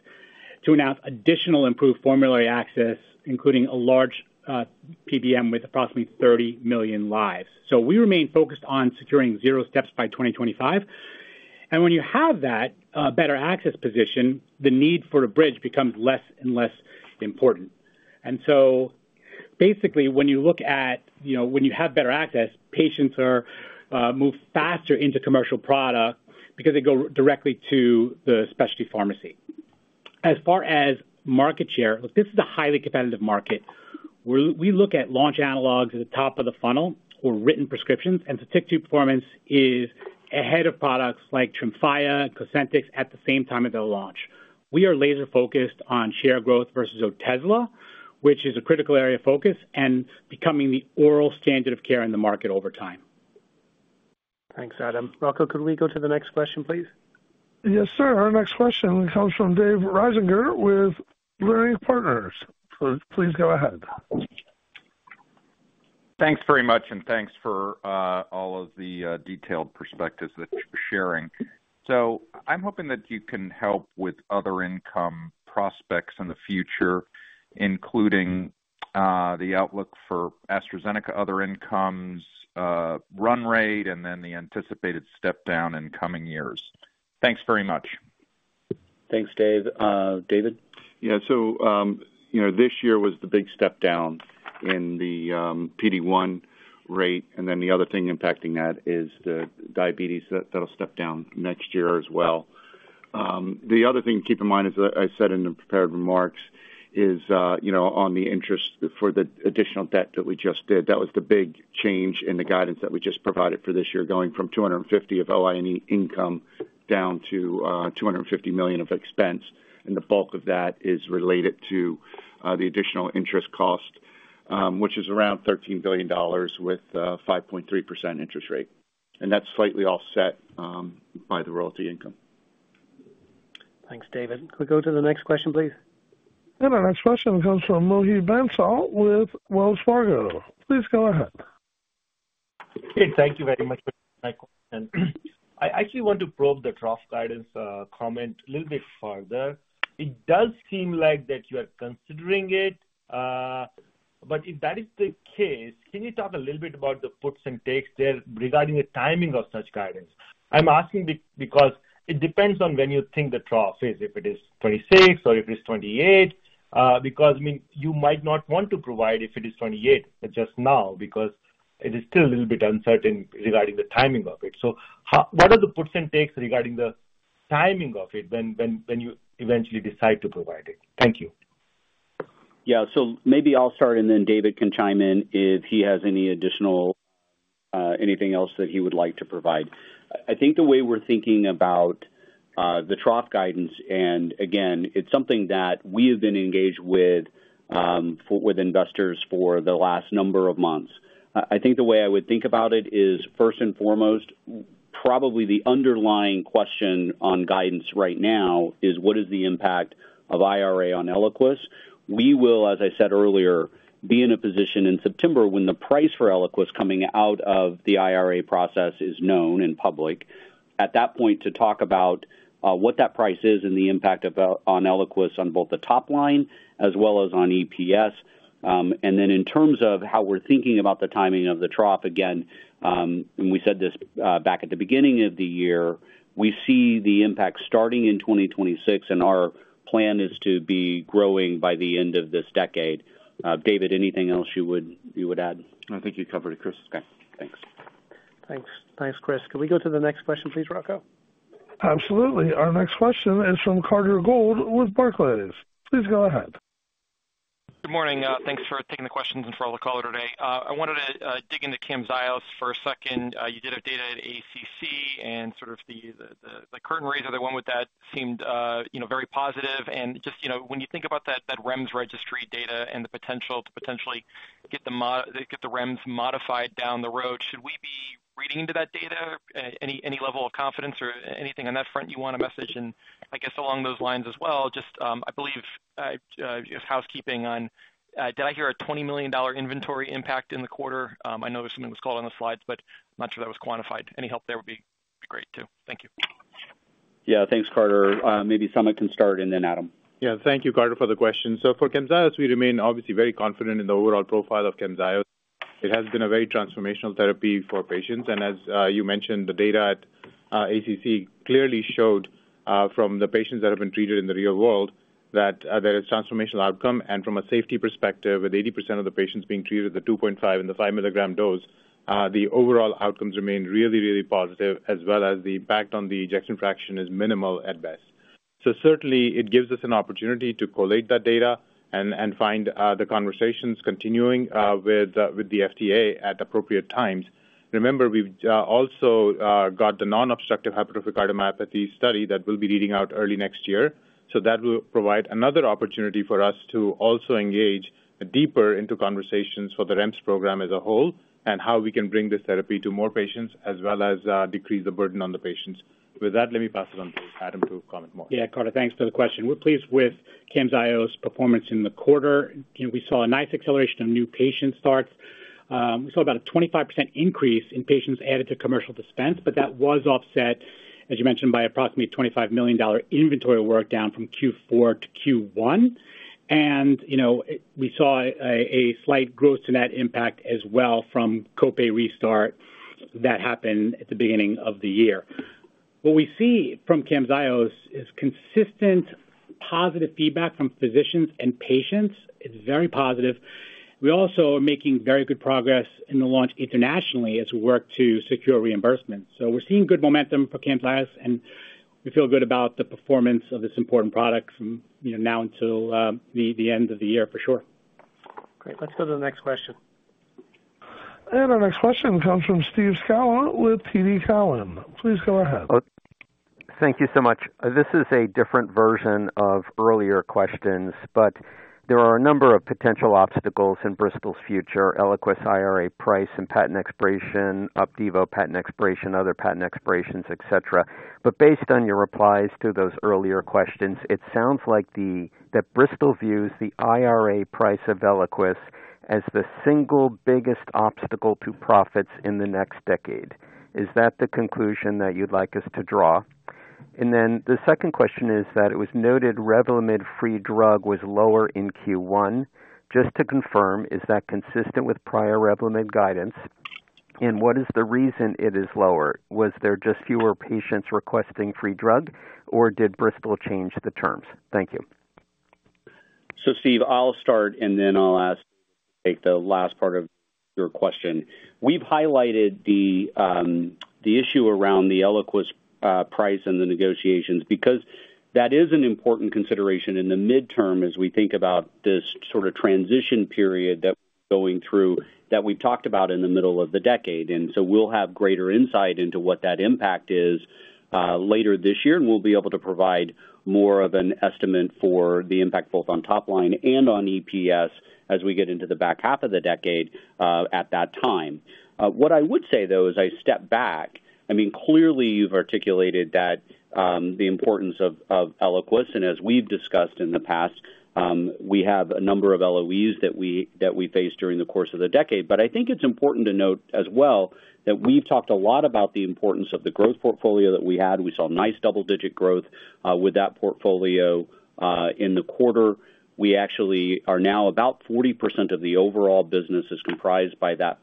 to announce additional improved formulary access, including a large PBM with approximately 30 million lives. So we remain focused on securing zero steps by 2025. And when you have that better access position, the need for a bridge becomes less and less important. And so basically, when you look at when you have better access, patients move faster into commercial product because they go directly to the specialty pharmacy. As far as market share, look, this is a highly competitive market. We look at launch analogs at the top of the funnel or written prescriptions. And SOTYKTU performance is ahead of products like TREMFYA and COSENTYX at the same time of their launch. We are laser-focused on share growth versus Otezla, which is a critical area of focus and becoming the oral standard of care in the market over time. Thanks, Adam. Rocco, could we go to the next question, please? Yes, sir. Our next question comes from Dave Risinger with Leerink Partners. So please go ahead. Thanks very much. Thanks for all of the detailed perspectives that you're sharing. I'm hoping that you can help with other income prospects in the future, including the outlook for AstraZeneca, other incomes, run rate, and then the anticipated step-down in coming years. Thanks very much. Thanks, Dave. David? Yeah. So this year was the big step-down in the PD-1 rate. And then the other thing impacting that is the diabetes that'll step down next year as well. The other thing to keep in mind, as I said in the prepared remarks, is on the interest for the additional debt that we just did, that was the big change in the guidance that we just provided for this year, going from $250 million of OI&E income down to $250 million of expense. And the bulk of that is related to the additional interest cost, which is around $13 billion with a 5.3% interest rate. And that's slightly offset by the royalty income. Thanks, David. Can we go to the next question, please? Our next question comes from Mohit Bansal with Wells Fargo. Please go ahead. Hey. Thank you very much for my question. I actually want to probe the trough guidance comment a little bit further. It does seem like that you are considering it. But if that is the case, can you talk a little bit about the puts and takes there regarding the timing of such guidance? I'm asking because it depends on when you think the trough is, if it is 26 or if it is 28. Because, I mean, you might not want to provide if it is 28 just now because it is still a little bit uncertain regarding the timing of it. So what are the puts and takes regarding the timing of it when you eventually decide to provide it? Thank you. Yeah. So maybe I'll start. Then David can chime in if he has anything else that he would like to provide. I think the way we're thinking about the trough guidance and, again, it's something that we have been engaged with with investors for the last number of months. I think the way I would think about it is, first and foremost, probably the underlying question on guidance right now is, what is the impact of IRA on ELIQUIS? We will, as I said earlier, be in a position in September when the price for ELIQUIS coming out of the IRA process is known in public, at that point, to talk about what that price is and the impact on ELIQUIS on both the top line as well as on EPS. And then in terms of how we're thinking about the timing of the trough, again, and we said this back at the beginning of the year, we see the impact starting in 2026. And our plan is to be growing by the end of this decade. David, anything else you would add? I think you covered it, Chris. Okay. Thanks. Thanks. Thanks, Chris. Can we go to the next question, please, Rocco? Absolutely. Our next question is from Carter Gould with Barclays. Please go ahead. Good morning. Thanks for taking the questions and for all the color today. I wanted to dig into CAMZYOS for a second. You did have data at ACC. And sort of the curtain raiser there went with that seemed very positive. And just when you think about that REMS registry data and the potential to potentially get the REMS modified down the road, should we be reading into that data? Any level of confidence or anything on that front you want to message? And I guess along those lines as well, just I believe housekeeping on, did I hear a $20 million inventory impact in the quarter? I know there was something that was called on the Slides. But I'm not sure that was quantified. Any help there would be great too. Thank you. Yeah. Thanks, Carter. Maybe Samit can start. And then Adam. Yeah. Thank you, Carter, for the question. So for CAMZYOS, we remain, obviously, very confident in the overall profile of CAMZYOS. It has been a very transformational therapy for patients. And as you mentioned, the data at ACC clearly showed from the patients that have been treated in the real world that there is transformational outcome. And from a safety perspective, with 80% of the patients being treated with the 2.5 mg and the 5 mg dose, the overall outcomes remain really, really positive, as well as the impact on the ejection fraction is minimal at best. So certainly, it gives us an opportunity to collate that data and have the conversations continuing with the FDA at appropriate times. Remember, we've also got the non-obstructive hypertrophic cardiomyopathy study that will be reading out early next year. So that will provide another opportunity for us to also engage deeper into conversations for the REMS program as a whole and how we can bring this therapy to more patients as well as decrease the burden on the patients. With that, let me pass it on to Adam to comment more. Yeah, Carter. Thanks for the question. We're pleased with CAMZYOS' performance in the quarter. We saw a nice acceleration of new patient starts. We saw about a 25% increase in patients added to commercial dispense. But that was offset, as you mentioned, by approximately $25 million inventory workdown from Q4 to Q1. And we saw a slight gross-to-net impact as well from copay restart that happened at the beginning of the year. What we see from CAMZYOS is consistent positive feedback from physicians and patients. It's very positive. We also are making very good progress in the launch internationally as we work to secure reimbursement. So we're seeing good momentum for CAMZYOS. And we feel good about the performance of this important product from now until the end of the year, for sure. Great. Let's go to the next question. Our next question comes from Steve Scala with TD Cowen. Please go ahead. Thank you so much. This is a different version of earlier questions. There are a number of potential obstacles in Bristol's future: ELIQUIS IRA price, and patent expiration, OPDIVO, patent expiration, other patent expirations, etc. Based on your replies to those earlier questions, it sounds like that Bristol views the IRA price of ELIQUIS as the single biggest obstacle to profits in the next decade. Is that the conclusion that you'd like us to draw? Then the second question is that it was noted REVLIMID free drug was lower in Q1. Just to confirm, is that consistent with prior REVLIMID guidance? And what is the reason it is lower? Was there just fewer patients requesting free drug? Or did Bristol change the terms? Thank you. So Steve, I'll start. Then I'll ask David to take the last part of your question. We've highlighted the issue around the ELIQUIS price and the negotiations because that is an important consideration in the midterm as we think about this sort of transition period that we're going through that we've talked about in the middle of the decade. So we'll have greater insight into what that impact is later this year. And we'll be able to provide more of an estimate for the impact both on top line and on EPS as we get into the back half of the decade at that time. What I would say, though, is I step back. I mean, clearly, you've articulated the importance of ELIQUIS. And as we've discussed in the past, we have a number of LOEs that we faced during the course of the decade. I think it's important to note as well that we've talked a lot about the importance of the growth portfolio that we had. We saw nice double-digit growth with that portfolio in the quarter. We actually are now about 40% of the overall business is comprised by that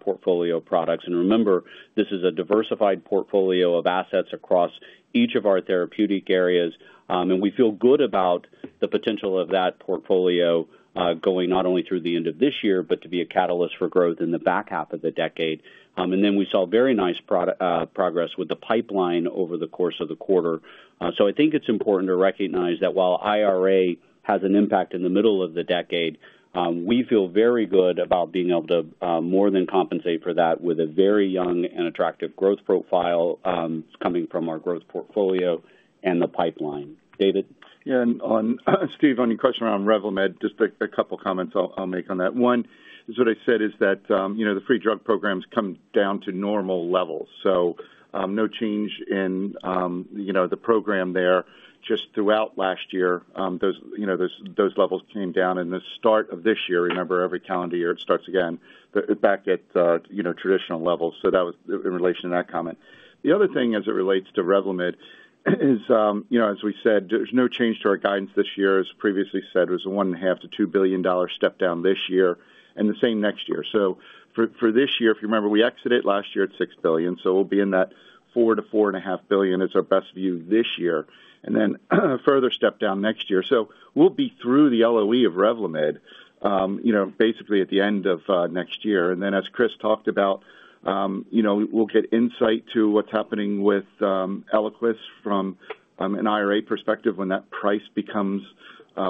portfolio of products. Remember, this is a diversified portfolio of assets across each of our therapeutic areas. We feel good about the potential of that portfolio going not only through the end of this year but to be a catalyst for growth in the back half of the decade. Then we saw very nice progress with the pipeline over the course of the quarter. I think it's important to recognize that while IRA has an impact in the middle of the decade, we feel very good about being able to more than compensate for that with a very young and attractive growth profile coming from our growth portfolio and the pipeline. David? Yeah. And Steve, on your question around REVLIMID, just a couple of comments I'll make on that. One, is what I said is that the free drug programs come down to normal levels. So no change in the program there. Just throughout last year, those levels came down. And the start of this year remember, every calendar year, it starts again back at traditional levels. So that was in relation to that comment. The other thing as it relates to REVLIMID is, as we said, there's no change to our guidance this year. As previously said, it was a $1.5 billion-$2 billion step-down this year and the same next year. So for this year, if you remember, we exited last year at $6 billion. So we'll be in that $4 billion-$4.5 billion is our best view this year and then further step-down next year. So we'll be through the LOE of REVLIMID, basically, at the end of next year. And then as Chris talked about, we'll get insight to what's happening with ELIQUIS from an IRA perspective when that price becomes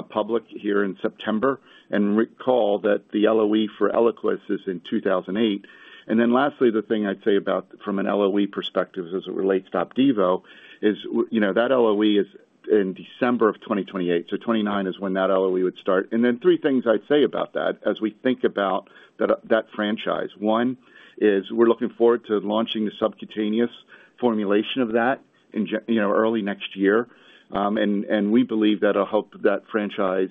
public here in September. And recall that the LOE for ELIQUIS is in 2028. And then lastly, the thing I'd say from an LOE perspective as it relates to OPDIVO is that LOE is in December of 2028. So 2029 is when that LOE would start. And then three things I'd say about that as we think about that franchise. One is we're looking forward to launching the subcutaneous formulation of that early next year. And we believe that'll help that franchise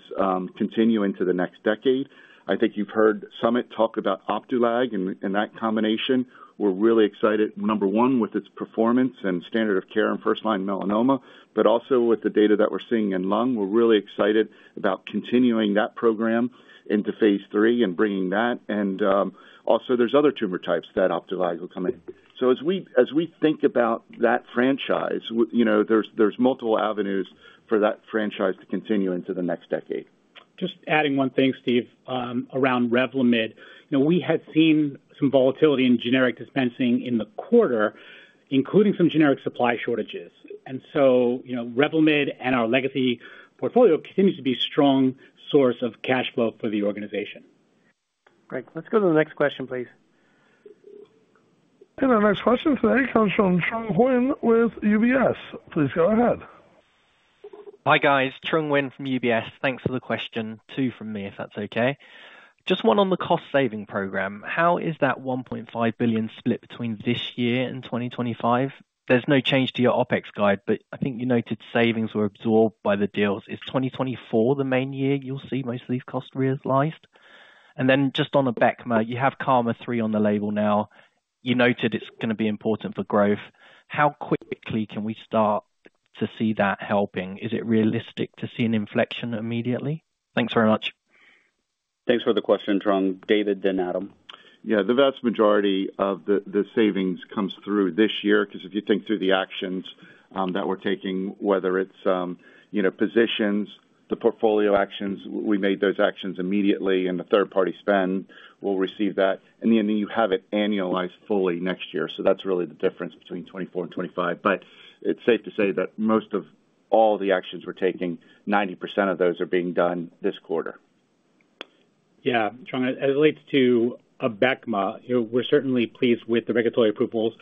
continue into the next decade. I think you've heard Samit talk about Opdualag and that combination. We're really excited, number one, with its performance and standard of care in first-line melanoma. But also with the data that we're seeing in lung, we're really excited about continuing that program into phase III and bringing that. And also, there's other tumor types that Opdualag will come in. So as we think about that franchise, there's multiple avenues for that franchise to continue into the next decade. Just adding one thing, Steve, around REVLIMID. We had seen some volatility in generic dispensing in the quarter, including some generic supply shortages. And so REVLIMID and our legacy portfolio continues to be a strong source of cash flow for the organization. Great. Let's go to the next question, please. Our next question today comes from Trung Huynh with UBS. Please go ahead. Hi, guys. Trung Huynh from UBS. Thanks for the question. Two from me, if that's okay. Just one on the cost-saving program. How is that $1.5 billion split between this year and 2025? There's no change to your OpEx guide. But I think you noted savings were absorbed by the deals. Is 2024 the main year you'll see most of these costs realized? And then just on the ABECMA, you have KarMMa-3 on the label now. You noted it's going to be important for growth. How quickly can we start to see that helping? Is it realistic to see an inflection immediately? Thanks very much. Thanks for the question, Trung. David, then Adam. Yeah. The vast majority of the savings comes through this year because if you think through the actions that we're taking, whether it's positions, the portfolio actions, we made those actions immediately. And the third-party spend, we'll receive that. And then you have it annualized fully next year. So that's really the difference between 2024 and 2025. But it's safe to say that most of all the actions we're taking, 90% of those are being done this quarter. Yeah. Trung, as it relates to ABECMA, we're certainly pleased with the regulatory approvals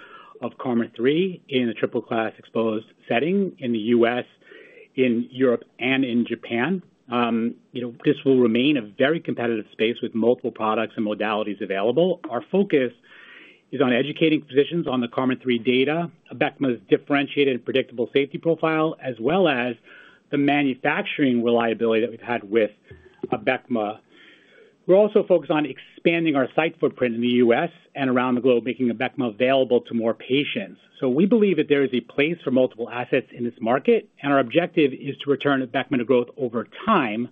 of KarMMa-3 in a triple-class exposed setting in the U.S., in Europe, and in Japan. This will remain a very competitive space with multiple products and modalities available. Our focus is on educating physicians on the KarMMa-3 data, ABECMA's differentiated and predictable safety profile, as well as the manufacturing reliability that we've had with ABECMA. We're also focused on expanding our site footprint in the U.S. and around the globe, making ABECMA available to more patients. So we believe that there is a place for multiple assets in this market. And our objective is to return ABECMA to growth over time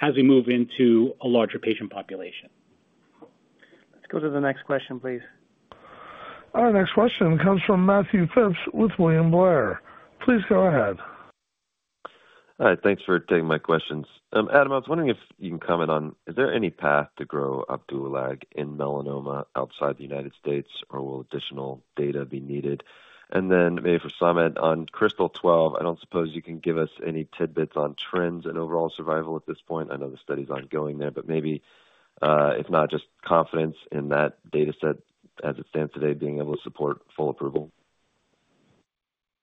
as we move into a larger patient population. Let's go to the next question, please. Our next question comes from Matthew Phipps with William Blair. Please go ahead. All right. Thanks for taking my questions. Adam, I was wondering if you can comment on, is there any path to grow Opdualag in melanoma outside the United States? Or will additional data be needed? And then maybe for Samit, on KRYSTAL-12, I don't suppose you can give us any tidbits on trends and overall survival at this point. I know the study's ongoing there. But maybe, if not, just confidence in that data set as it stands today being able to support full approval?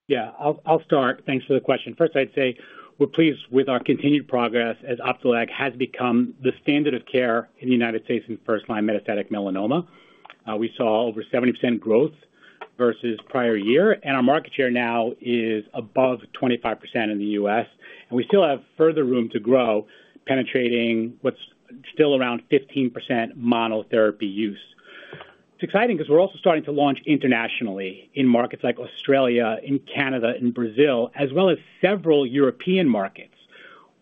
Yeah. I'll start. Thanks for the question. First, I'd say we're pleased with our continued progress as Opdualag has become the standard of care in the United States in first-line metastatic melanoma. We saw over 70% growth versus prior year. Our market share now is above 25% in the U.S. We still have further room to grow, penetrating what's still around 15% monotherapy use. It's exciting because we're also starting to launch internationally in markets like Australia, in Canada, in Brazil, as well as several European markets.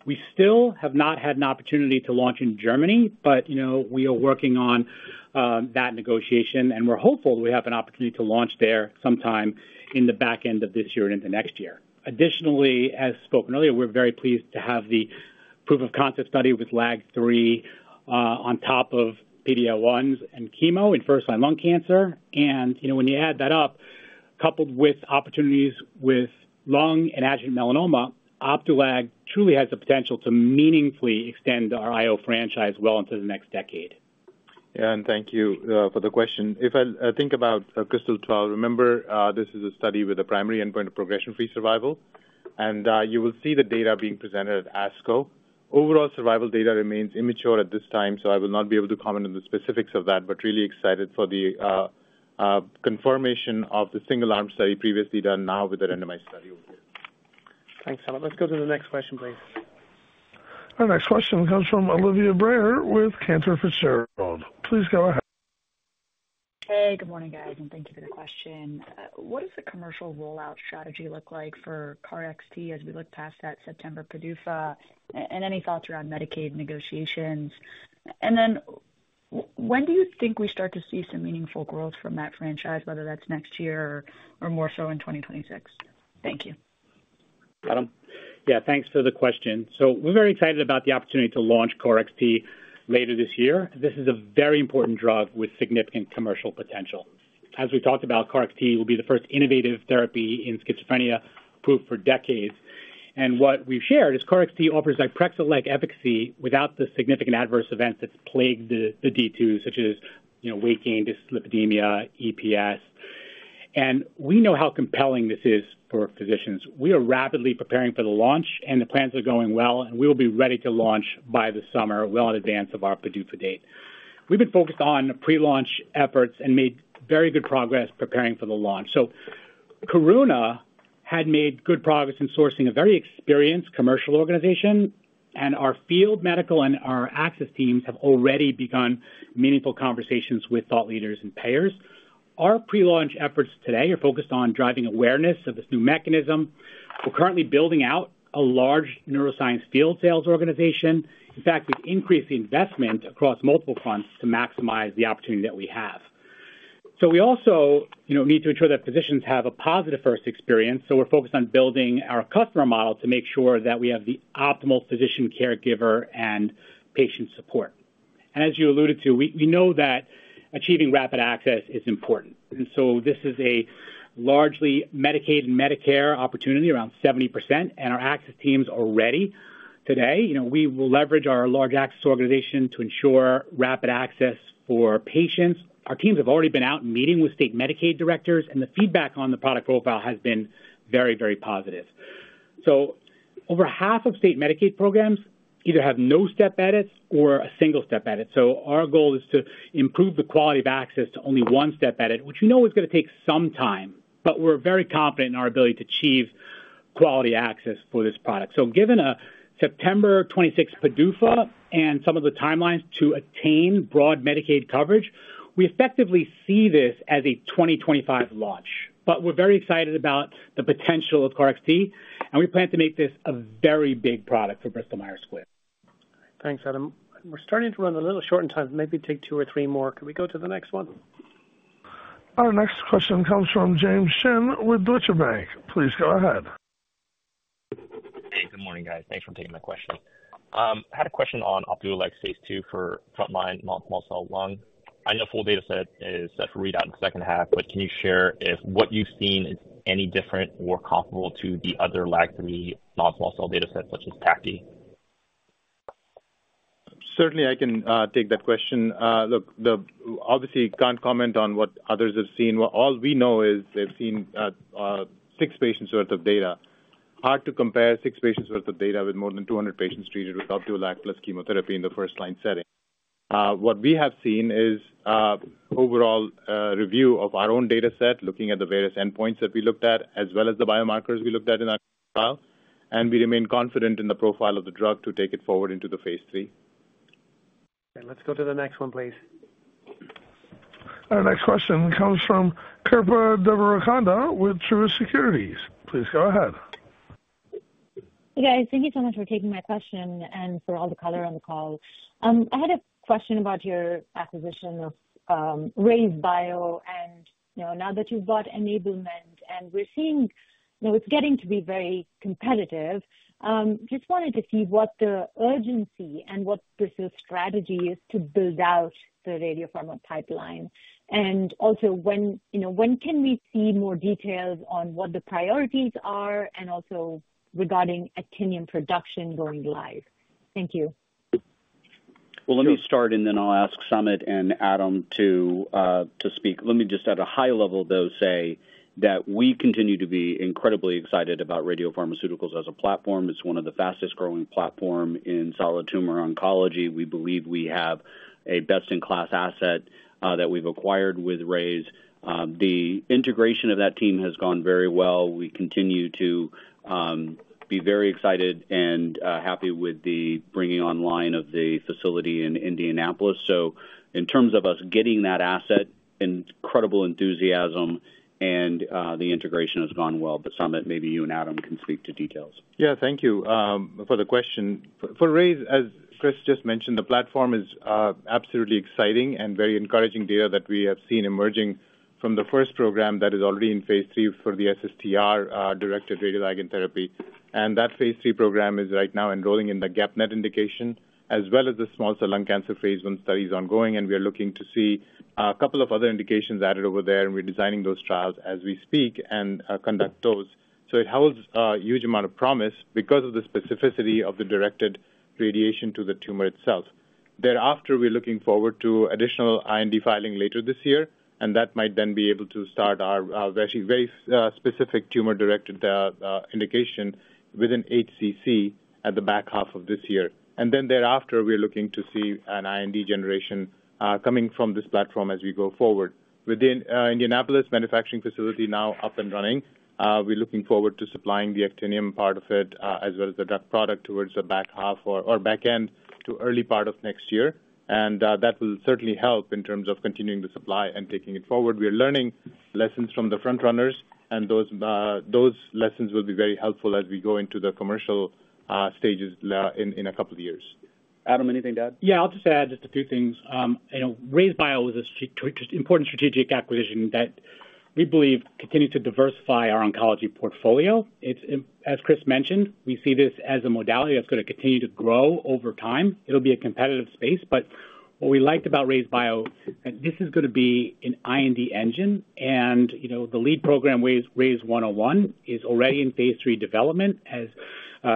We still have not had an opportunity to launch in Germany. But we are working on that negotiation. We're hopeful that we have an opportunity to launch there sometime in the back end of this year and into next year. Additionally, as spoken earlier, we're very pleased to have the proof of concept study with LAG-3 on top of PD-L1s and chemo in first-line lung cancer. When you add that up, coupled with opportunities with lung and adjuvant melanoma, Opdualag truly has the potential to meaningfully extend our IO franchise well into the next decade. Yeah. Thank you for the question. If I think about KRYSTAL-12, remember, this is a study with a primary endpoint of progression-free survival. You will see the data being presented at ASCO. Overall survival data remains immature at this time. So I will not be able to comment on the specifics of that. But really excited for the confirmation of the single-arm study previously done, now with a randomized study over here. Thanks, Samit. Let's go to the next question, please. Our next question comes from Olivia Brayer with Cantor Fitzgerald. Please go ahead. Hey. Good morning, guys. And thank you for the question. What does the commercial rollout strategy look like for KarXT as we look past that September PDUFA? And any thoughts around Medicaid negotiations? And then when do you think we start to see some meaningful growth from that franchise, whether that's next year or more so in 2026? Thank you. Adam? Yeah. Thanks for the question. So we're very excited about the opportunity to launch KarXT later this year. This is a very important drug with significant commercial potential. As we talked about, KarXT will be the first innovative therapy in schizophrenia approved for decades. And what we've shared is KarXT offers Zyprexa-like efficacy without the significant adverse events that's plagued the D2, such as weight gain, dyslipidemia, EPS. And we know how compelling this is for physicians. We are rapidly preparing for the launch. And the plans are going well. And we will be ready to launch by the summer, well in advance of our PDUFA date. We've been focused on prelaunch efforts and made very good progress preparing for the launch. So Karuna had made good progress in sourcing a very experienced commercial organization. Our field medical and our access teams have already begun meaningful conversations with thought leaders and payers. Our prelaunch efforts today are focused on driving awareness of this new mechanism. We're currently building out a large neuroscience field sales organization. In fact, we've increased the investment across multiple fronts to maximize the opportunity that we have. So we also need to ensure that physicians have a positive first experience. So we're focused on building our customer model to make sure that we have the optimal physician, caregiver, and patient support. And as you alluded to, we know that achieving rapid access is important. And so this is a largely Medicaid and Medicare opportunity, around 70%. And our access teams are ready today. We will leverage our large access organization to ensure rapid access for patients. Our teams have already been out meeting with state Medicaid directors. The feedback on the product profile has been very, very positive. So over half of state Medicaid programs either have no step edits or a single step edit. Our goal is to improve the quality of access to only one step edit, which we know is going to take some time. But we're very confident in our ability to achieve quality access for this product. Given a September 26 PDUFA and some of the timelines to attain broad Medicaid coverage, we effectively see this as a 2025 launch. But we're very excited about the potential of KarXT. We plan to make this a very big product for Bristol-Myers Squibb. Thanks, Adam. We're starting to run a little short on time. Maybe take two or three more. Can we go to the next one? Our next question comes from James Shin with Deutsche Bank. Please go ahead. Hey. Good morning, guys. Thanks for taking my question. I had a question on Opdualag phase II for front-line non-small cell lung. I know full data set is set for readout in the second half. Can you share if what you've seen is any different or comparable to the other LAG-3 non-small cell data set, such as TACTI? Certainly, I can take that question. Look, obviously, you can't comment on what others have seen. All we know is they've seen six patients' worth of data. Hard to compare six patients' worth of data with more than 200 patients treated with Opdualag plus chemotherapy in the first-line setting. What we have seen is overall review of our own data set, looking at the various endpoints that we looked at, as well as the biomarkers we looked at in our trial. We remain confident in the profile of the drug to take it forward into the phase III. Okay. Let's go to the next one, please. Our next question comes from Kripa Devarakonda with Truist Securities. Please go ahead. Hey, guys. Thank you so much for taking my question and for all the color on the call. I had a question about your acquisition of RayzeBio. Now that you've bought and we're seeing it's getting to be very competitive, just wanted to see what the urgency and what Bristol's strategy is to build out the radiopharma pipeline. Also, when can we see more details on what the priorities are and also regarding actinium production going live? Thank you. Well, let me start. Then I'll ask Samit and Adam to speak. Let me just, at a high level, though, say that we continue to be incredibly excited about radiopharmaceuticals as a platform. It's one of the fastest-growing platforms in solid tumor oncology. We believe we have a best-in-class asset that we've acquired with RayzeBio. The integration of that team has gone very well. We continue to be very excited and happy with the bringing online of the facility in Indianapolis. So in terms of us getting that asset, incredible enthusiasm. And the integration has gone well. But Samit, maybe you and Adam can speak to details. Yeah. Thank you for the question. For Rayze, as Chris just mentioned, the platform is absolutely exciting and very encouraging data that we have seen emerging from the first program that is already in phase III for the SSTR-directed radioligand therapy. That phase III program is right now enrolling in the GEP-NETs indication, as well as the small cell lung cancer phase I study's ongoing. We are looking to see a couple of other indications added over there. We're designing those trials as we speak and conduct those. So it holds a huge amount of promise because of the specificity of the directed radiation to the tumor itself. Thereafter, we're looking forward to additional IND filing later this year. That might then be able to start our very specific tumor-directed indication within HCC at the back half of this year. Then thereafter, we're looking to see an IND generation coming from this platform as we go forward. Within Indianapolis manufacturing facility now up and running, we're looking forward to supplying the actinium part of it, as well as the drug product, towards the back half or back end to early part of next year. That will certainly help in terms of continuing the supply and taking it forward. We are learning lessons from the frontrunners. Those lessons will be very helpful as we go into the commercial stages in a couple of years. Adam, anything to add? Yeah. I'll just add just a few things. RayzeBio was an important strategic acquisition that we believe continues to diversify our oncology portfolio. As Chris mentioned, we see this as a modality that's going to continue to grow over time. It'll be a competitive space. But what we liked about RayzeBio, this is going to be an IND engine. And the lead program, RYZ101, is already in phase III development, as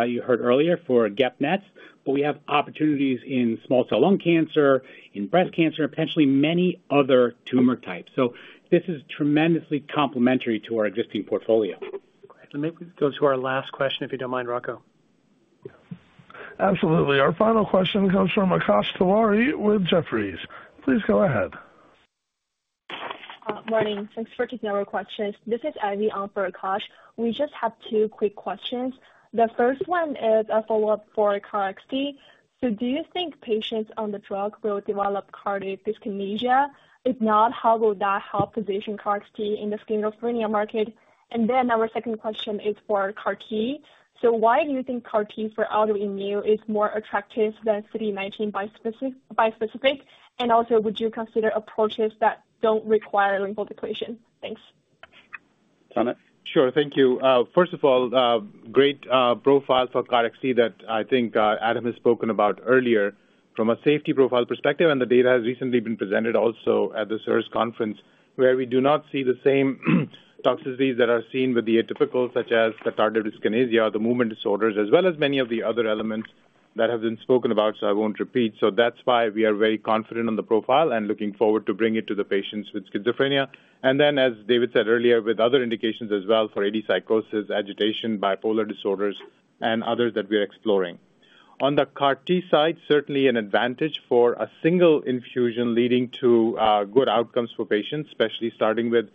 you heard earlier, for GEP-NETs. But we have opportunities in small cell lung cancer, in breast cancer, and potentially many other tumor types. So this is tremendously complementary to our existing portfolio. Great. Maybe we can go to our last question, if you don't mind, Rocco? Absolutely. Our final question comes from Akash Tewari with Jefferies. Please go ahead. Morning. Thanks for taking our questions. This is Ivy for Akash. We just have two quick questions. The first one is a follow-up for KarXT. So do you think patients on the drug will develop tardive dyskinesia? If not, how will that help position KarXT in the schizophrenia market? And then our second question is for CAR T. So why do you think CAR T for autoimmune is more attractive than CD19 bispecific? And also, would you consider approaches that don't require lymphodepletion? Thanks. Samit? Sure. Thank you. First of all, great profile for KarXT that I think Adam has spoken about earlier from a safety profile perspective. And the data has recently been presented also at the SIRS conference, where we do not see the same toxicities that are seen with the atypical, such as the tardive dyskinesia or the movement disorders, as well as many of the other elements that have been spoken about. So I won't repeat. So that's why we are very confident on the profile and looking forward to bringing it to the patients with schizophrenia. And then, as David said earlier, with other indications as well for AD psychosis, agitation, bipolar disorders, and others that we are exploring. On the CAR T side, certainly an advantage for a single infusion leading to good outcomes for patients, especially starting with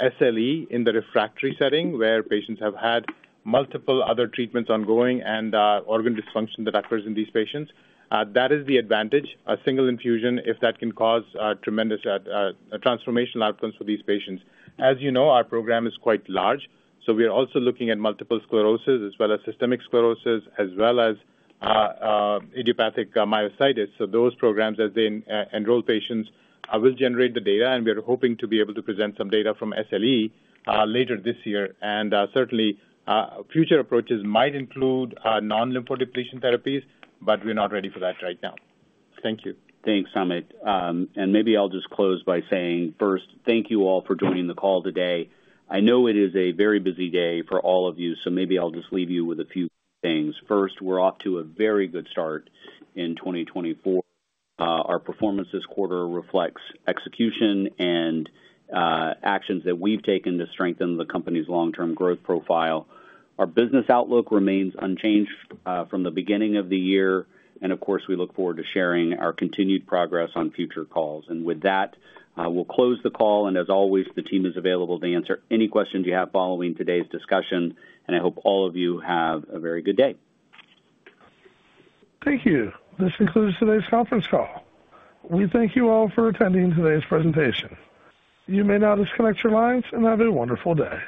SLE in the refractory setting, where patients have had multiple other treatments ongoing and organ dysfunction that occurs in these patients. That is the advantage, a single infusion, if that can cause tremendous transformational outcomes for these patients. As you know, our program is quite large. So we are also looking at multiple sclerosis, as well as systemic sclerosis, as well as idiopathic myositis. So those programs, as they enroll patients, will generate the data. And we are hoping to be able to present some data from SLE later this year. And certainly, future approaches might include non-lymphodepletion therapies. But we're not ready for that right now. Thank you. Thanks, Samit. Maybe I'll just close by saying, first, thank you all for joining the call today. I know it is a very busy day for all of you. Maybe I'll just leave you with a few things. First, we're off to a very good start in 2024. Our performance this quarter reflects execution and actions that we've taken to strengthen the company's long-term growth profile. Our business outlook remains unchanged from the beginning of the year. Of course, we look forward to sharing our continued progress on future calls. With that, we'll close the call. As always, the team is available to answer any questions you have following today's discussion. I hope all of you have a very good day. Thank you. This concludes today's conference call. We thank you all for attending today's presentation. You may now disconnect your lines and have a wonderful day.